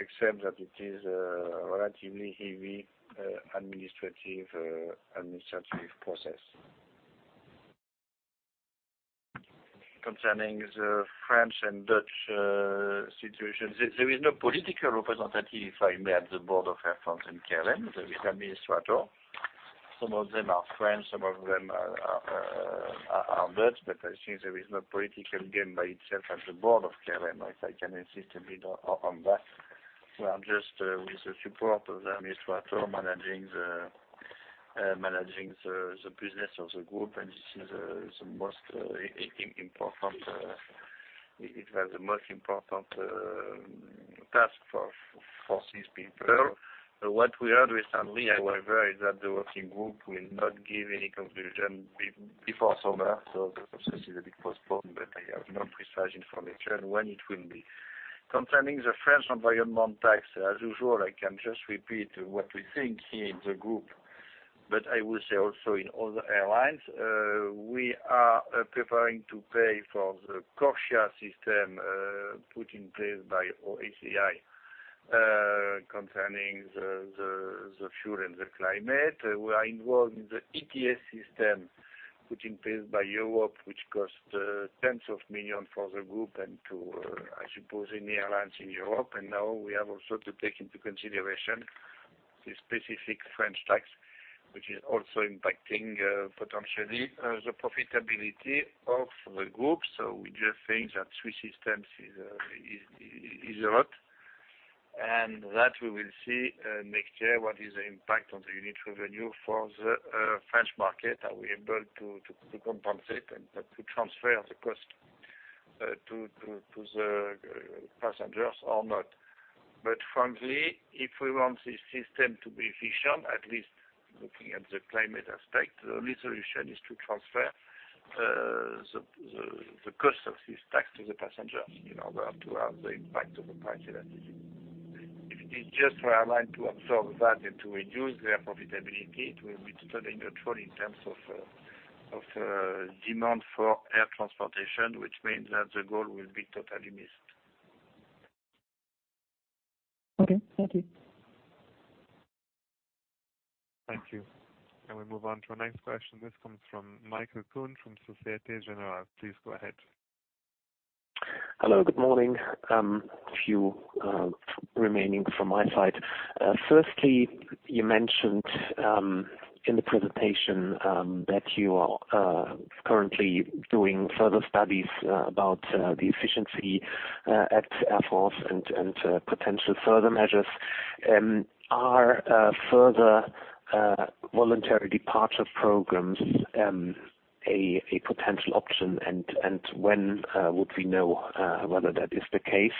except that it is a relatively heavy administrative process. Concerning the French and Dutch situations, there is no political representative, if I may, at the board of Air France and KLM. There is administrator. Some of them are French, some of them are Dutch, but I think there is no political game by itself at the board of KLM, if I can insist a bit on that. We are just with the support of the administrator, managing the business of the group, and this is the most important task for these people. What we heard recently, however, is that the working group will not give any conclusion before summer. The process is a bit postponed, but I have no precise information when it will be. Concerning the French environment tax, as usual, I can just repeat what we think here in the group, but I will say also in other airlines. We are preparing to pay for the CORSIA system put in place by ICAO concerning the fuel and the climate. We are involved in the ETS system put in place by Europe, which cost tens of millions for the group and to, I suppose, any airlines in Europe. Now we have also to take into consideration the specific French tax, which is also impacting potentially the profitability of the group. We just think that three systems is a lot, and that we will see next year what is the impact on the unit revenue for the French market. Are we able to compensate and to transfer the cost to the passengers or not? Frankly, if we want this system to be efficient, at least looking at the climate aspect, the only solution is to transfer the cost of this tax to the passenger in order to have the impact of the price elasticity. If it is just for airline to absorb that and to reduce their profitability, it will be totally neutral in terms of demand for air transportation, which means that the goal will be totally missed.
Okay. Thank you.
Thank you. We move on to our next question. This comes from Michael Kuhn from Société Générale. Please go ahead.
Hello, good morning. A few remaining from my side. Firstly, you mentioned in the presentation, that you are currently doing further studies about the efficiency at Air France and potential further measures. Are further voluntary departure programs a potential option, and when would we know whether that is the case?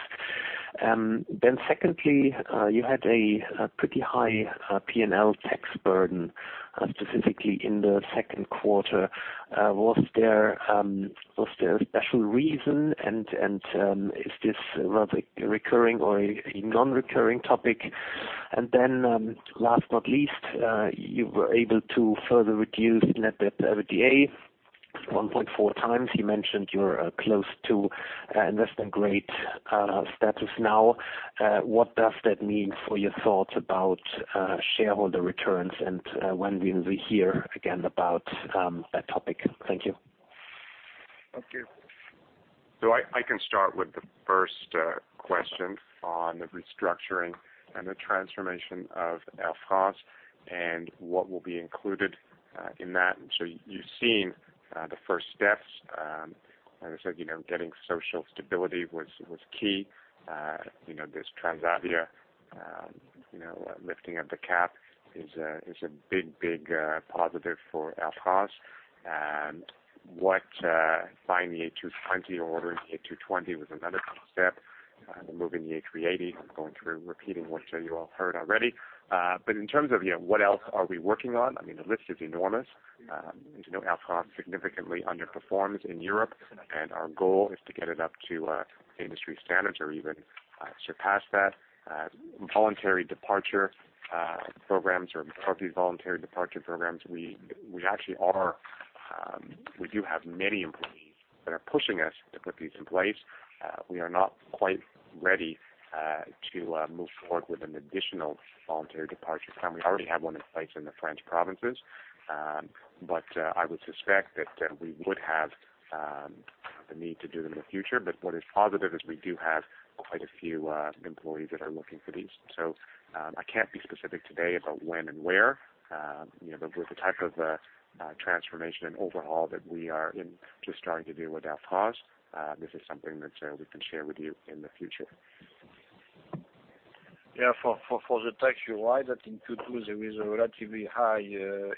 Secondly, you had a pretty high P&L tax burden, specifically in the second quarter. Was there a special reason and is this a recurring or a non-recurring topic? Last but not least, you were able to further reduce net debt EV/EBITDA 1.4 times. You mentioned you're close to investment-grade status now. What does that mean for your thoughts about shareholder returns and when will we hear again about that topic? Thank you.
Thank you. I can start with the first question on the restructuring and the transformation of Air France and what will be included in that. You've seen the first steps. As I said, getting social stability was key. This Transavia, lifting of the cap is a big positive for Air France. Ordering the A220 was another key step, and then moving the A380. I'm going through repeating what you all heard already. In terms of what else are we working on, the list is enormous. Air France significantly underperforms in Europe, and our goal is to get it up to industry standards or even surpass that. Voluntary departure programs, or partly voluntary departure programs, we do have many employees that are pushing us to put these in place. We are not quite ready to move forward with an additional voluntary departure plan. We already have one in place in the French provinces. I would suspect that we would have the need to do them in the future. What is positive is we do have quite a few employees that are looking for these. I can't be specific today about when and where. With the type of transformation and overhaul that we are just starting to do with Air France, this is something that we can share with you in the future.
Yeah, for the tax, you're right. I think Q2, there is a relatively high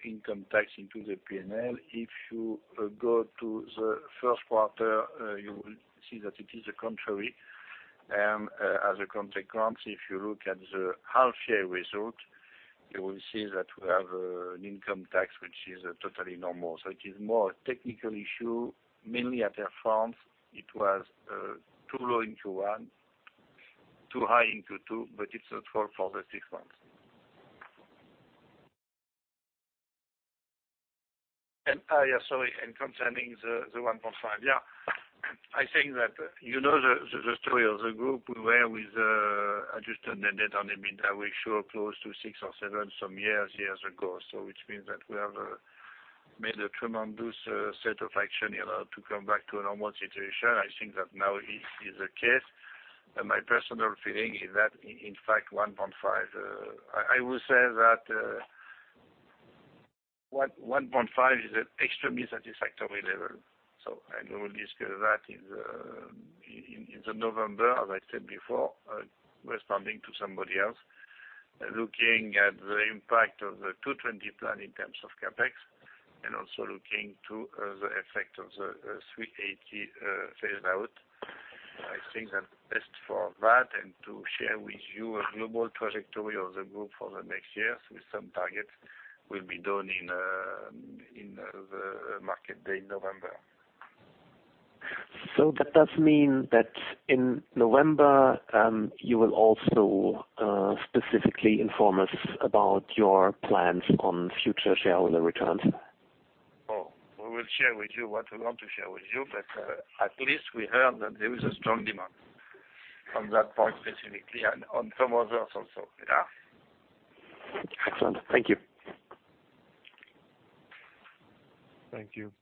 income tax into the P&L. If you go to the first quarter, you will see that it is the contrary. As a consequence, if you look at the half-year result, you will see that we have an income tax, which is totally normal. It is more a technical issue. Mainly at Air France, it was too low in Q1, too high in Q2, but it's at 12 for the six months. Concerning the 1.5. I think that you know the story of the group. We were with adjusted net debt on EBITDA, we were close to six or seven some years ago. Which means that we have made a tremendous set of action in order to come back to a normal situation. I think that now is the case. My personal feeling is that, in fact, 1.5 is an extremely satisfactory level. We will discuss that in November, as I said before, responding to somebody else. Looking at the impact of the A220 plan in terms of CapEx and also looking to the effect of the A380 phase-out. I think that best for that and to share with you a global trajectory of the group for the next years with some targets will be done in the market day in November.
That does mean that in November, you will also specifically inform us about your plans on future shareholder returns?
We will share with you what we want to share with you, but at least we heard that there is a strong demand on that point specifically and on some others also. Yeah.
Excellent. Thank you.
Thank you.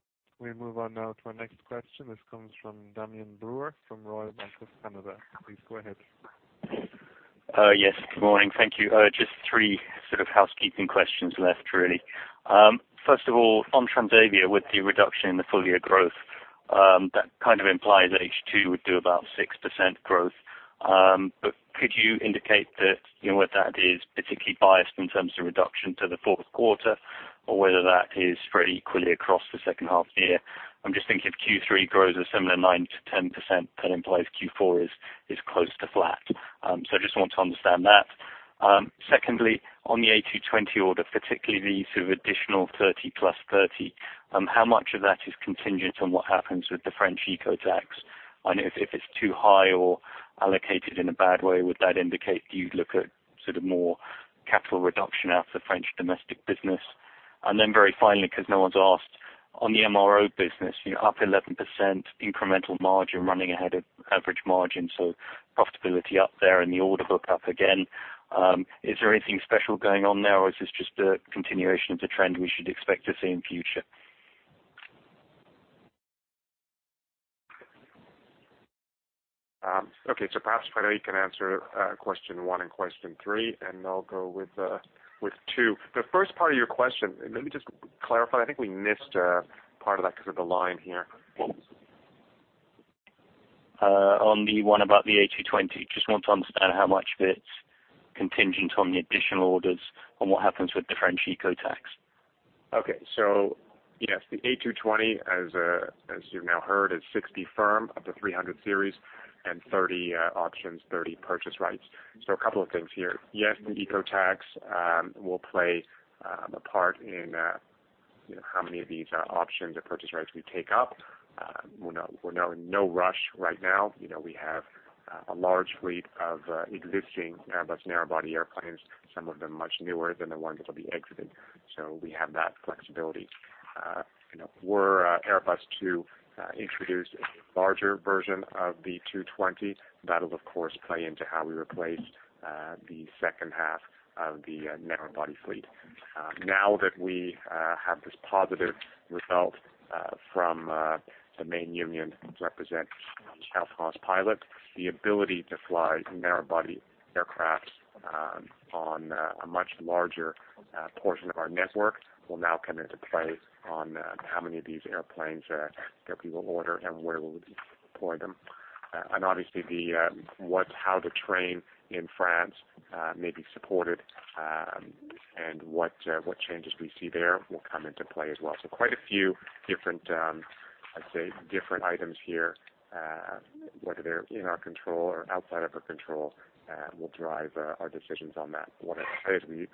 We move on now to our next question. This comes from Damian Brewer from Royal Bank of Canada. Please go ahead.
Yes. Good morning. Thank you. Just three sort of housekeeping questions left, really. First of all, on Transavia, with the reduction in the full year growth, that kind of implies H2 would do about 6% growth. Could you indicate whether that is particularly biased in terms of reduction to the fourth quarter, or whether that is spread equally across the second half of the year? I'm just thinking if Q3 grows a similar 9% to 10%, that implies Q4 is close to flat. I just want to understand that. Secondly, on the A220 order, particularly the sort of additional 30 plus 30, how much of that is contingent on what happens with the French eco tax? If it's too high or allocated in a bad way, would that indicate you'd look at sort of more capital reduction out of the French domestic business? Very finally, because no one's asked, on the MRO business, you're up 11%, incremental margin running ahead of average margin, so profitability up there and the order book up again. Is there anything special going on there, or is this just a continuation of the trend we should expect to see in future?
Okay. Perhaps Frédéric can answer question one and question three, and I'll go with two. The first part of your question, let me just clarify. I think we missed part of that because of the line here. What was it?
On the one about the A220, just want to understand how much of it's contingent on the additional orders and what happens with the French eco tax?
Okay. Yes, the A220, as you've now heard, is 60 firm of the 300 series, and 30 options, 30 purchase rights. A couple of things here. Yes, the eco tax will play a part in how many of these options or purchase rights we take up. We're in no rush right now. We have a large fleet of existing Airbus narrow body airplanes, some of them much newer than the ones that will be exiting. We have that flexibility. Were Airbus to introduce a larger version of the 220, that'll of course play into how we replace the second half of the narrow body fleet. Now that we have this positive result from the main union representing Air France pilots, the ability to fly narrow-body aircraft on a much larger portion of our network will now come into play on how many of these airplanes that we will order and where we'll deploy them. Obviously, how the train in France may be supported, and what changes we see there will come into play as well. Quite a few different items here, whether they're in our control or outside of our control, will drive our decisions on that. These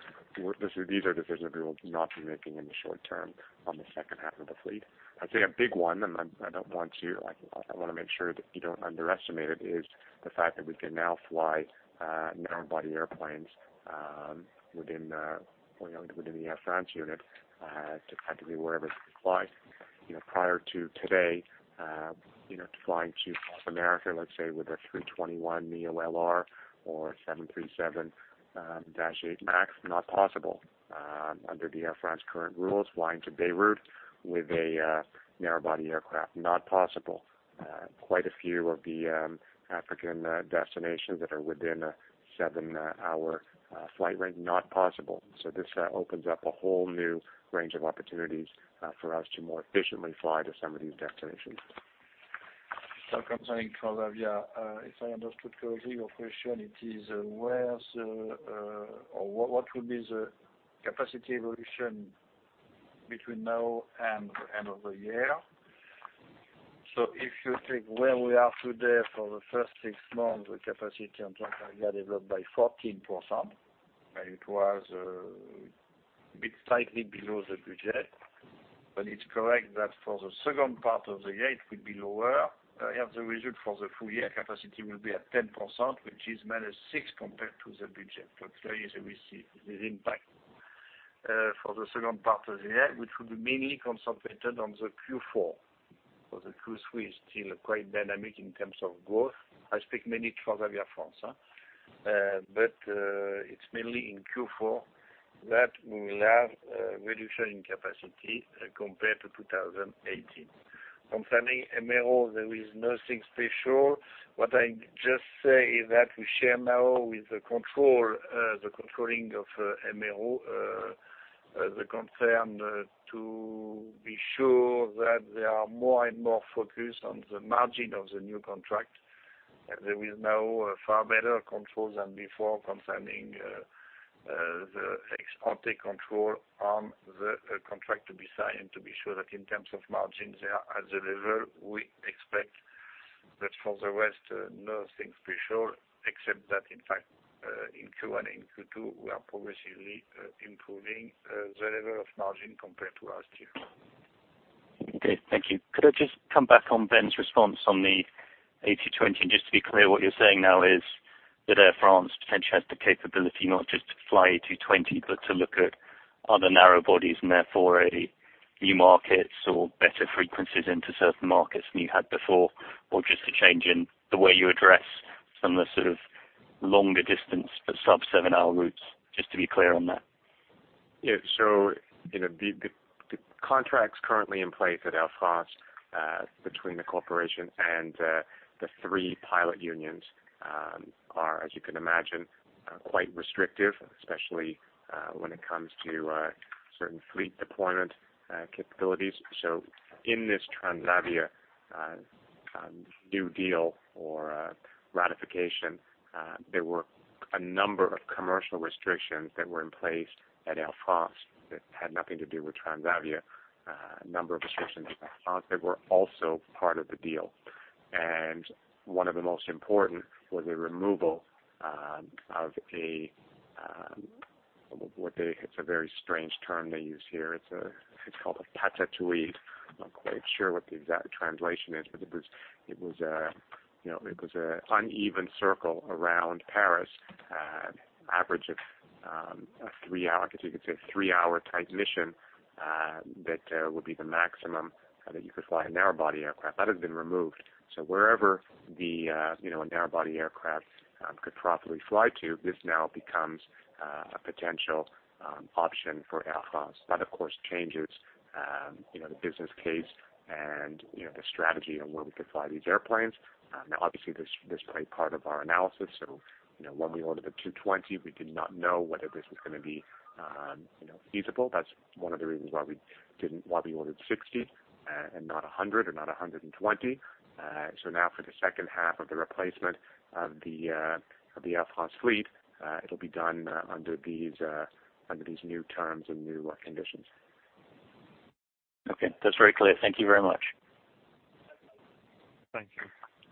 are decisions we will not be making in the short term on the second half of the fleet. I'd say a big one, and I want to make sure that you don't underestimate it, is the fact that we can now fly narrow-body airplanes within the Air France unit, technically wherever it applies. Prior to today, flying to South America, let's say, with an A321LR or 737-8 MAX, not possible. Under the Air France current rules, flying to Beirut with a narrow body aircraft, not possible. Quite a few of the African destinations that are within a seven-hour flight range, not possible. This opens up a whole new range of opportunities for us to more efficiently fly to some of these destinations.
Concerning Transavia, if I understood closely your question, it is what will be the capacity evolution between now and the end of the year. If you take where we are today for the first six months, the capacity on Transavia developed by 14%, and it was a bit slightly below the budget. It's correct that for the second part of the year, it will be lower. As a result, for the full year, capacity will be at 10%, which is minus six compared to the budget. There is this impact for the second part of the year, which will be mainly concentrated on the Q4, because the Q3 is still quite dynamic in terms of growth. I speak mainly Transavia France. It's mainly in Q4 that we will have a reduction in capacity compared to 2018. Concerning MRO, there is nothing special. What I just say is that we share now with the controlling of MRO, the concern to be sure that they are more and more focused on the margin of the new contract. There is now a far better control than before concerning the ex ante control on the contract to be signed, to be sure that in terms of margins, they are at the level we expect. For the rest, nothing special except that, in fact, in Q1 and Q2, we are progressively improving the level of margin compared to last year.
Okay. Thank you. Could I just come back on Ben's response on the A220? Just to be clear, what you're saying now is that Air France potentially has the capability not just to fly A220, but to look at other narrow bodies and therefore, new markets or better ease into certain markets than you had before, or just a change in the way you address some of the sort of longer distance, but sub-seven-hour routes? Just to be clear on that.
Yeah. The contracts currently in place at Air France, between the corporation and the three pilot unions are, as you can imagine, quite restrictive, especially when it comes to certain fleet deployment capabilities. In this Transavia new deal or ratification, there were a number of commercial restrictions that were in place at Air France that had nothing to do with Transavia. A number of restrictions at Air France that were also part of the deal. One of the most important was the removal of a, it's a very strange term they use here. It's called a, I'm not quite sure what the exact translation is, but it was an uneven circle around Paris, an average of a three-hour type mission, that would be the maximum that you could fly a narrow body aircraft. That has been removed. Wherever a narrow-body aircraft could profitably fly to, this now becomes a potential option for Air France. That, of course, changes the business case and the strategy on where we could fly these airplanes. Obviously, this played part of our analysis. When we ordered the A220, we did not know whether this was going to be feasible. That's one of the reasons why we ordered 60 and not 100 or not 120. Now for the second half of the replacement of the Air France fleet, it'll be done under these new terms and new conditions.
Okay. That's very clear. Thank you very much.
Thank you.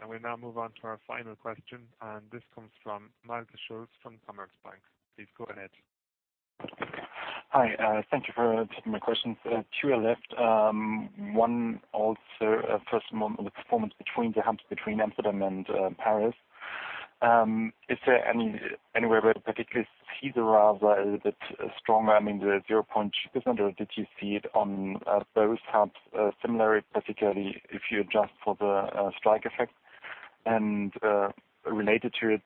We now move on to our final question, and this comes from Michael Schulz from Commerzbank. Please go ahead.
Hi. Thank you for taking my questions. Two are left. One also, first of all, on the performance between the hubs between Amsterdam and Paris. Is there anywhere where particularly CASKs are a little bit stronger? I mean, the 0.2%, or did you see it on both hubs similarly, particularly if you adjust for the strike effect? Related to it,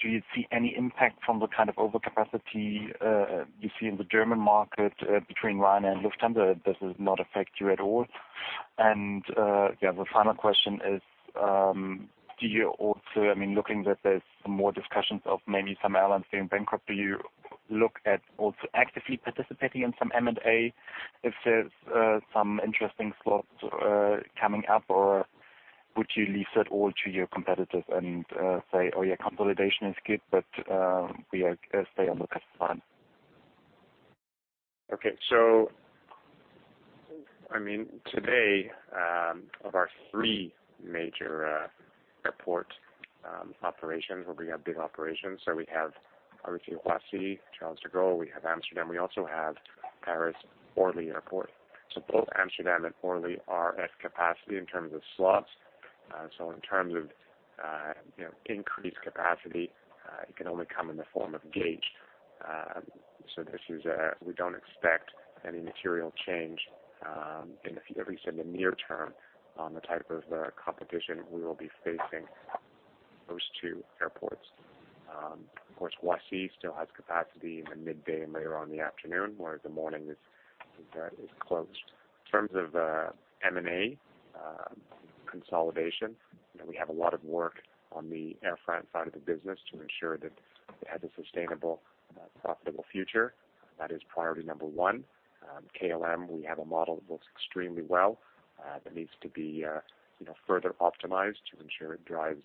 do you see any impact from the kind of overcapacity you see in the German market between Ryanair and Lufthansa? Does it not affect you at all? The final question is, do you also, looking that there's some more discussions of maybe some airlines being bankrupt, do you look at also actively participating in some M&A if there's some interesting slots coming up, or would you leave that all to your competitors and say, "Oh, yeah, consolidation is good, but we stay on the cusp line.
Okay. Today, of our three major airport operations where we have big operations, we have obviously Roissy-Charles de Gaulle, we have Amsterdam, we also have Paris Orly Airport. Both Amsterdam and Orly are at capacity in terms of slots. In terms of increased capacity, it can only come in the form of gauge. We don't expect any material change, at least in the near term, on the type of competition we will be facing those two airports. Of course, Roissy still has capacity in the midday and later on the afternoon, whereas the morning is closed. In terms of M&A consolidation, we have a lot of work on the Air France side of the business to ensure that it has a sustainable, profitable future. That is priority number one. KLM, we have a model that works extremely well, that needs to be further optimized to ensure it drives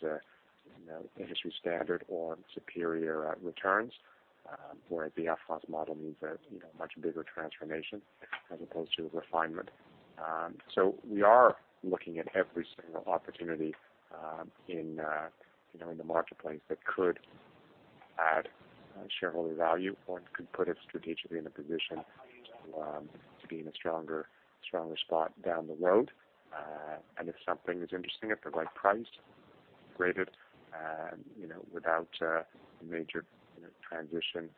industry standard or superior returns, whereas the Air France model needs a much bigger transformation as opposed to refinement. We are looking at every single opportunity in the marketplace that could add shareholder value, or it could put us strategically in a position to be in a stronger spot down the road. If something is interesting at the right price, rated, without a major transition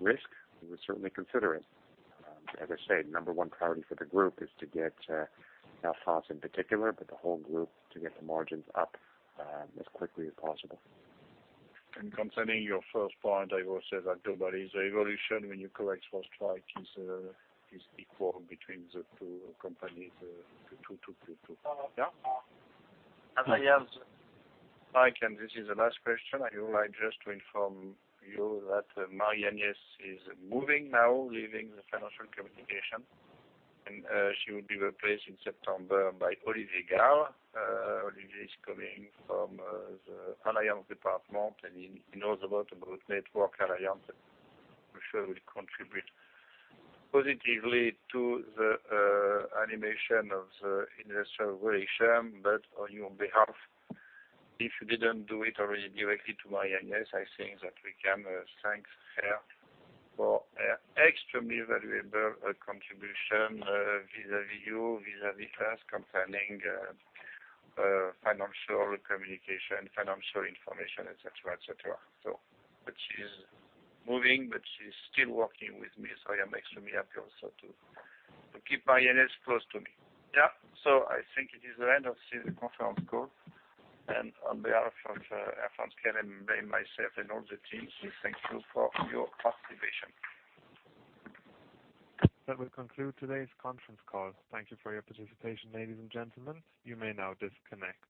risk, we would certainly consider it. As I say, number one priority for the group is to get Air France in particular, but the whole group to get the margins up, as quickly as possible.
Concerning your first point, I would say that the evolution when you correct for strike is equal between the two companies. As I have Mike, this is the last question. I would like just to inform you that Marie-Agnès is moving now, leaving the financial communication. She will be replaced in September by Olivier Gall. Olivier is coming from the alliance department, and he knows a lot about network alliance. I'm sure he will contribute positively to the animation of the investor relations, but on your behalf, if you didn't do it already directly to Marie-Agnès, I think that we can thank her for her extremely valuable contribution, vis-à-vis you, vis-à-vis us concerning financial communication, financial information, et cetera.
But she's moving, but she's still working with me, so I am extremely happy also to keep Marie-Agnès close to me. Yeah. I think it is the end of the conference call. On behalf of Air France-KLM, myself, and all the teams, we thank you for your participation.
That will conclude today's conference call. Thank you for your participation, ladies and gentlemen. You may now disconnect.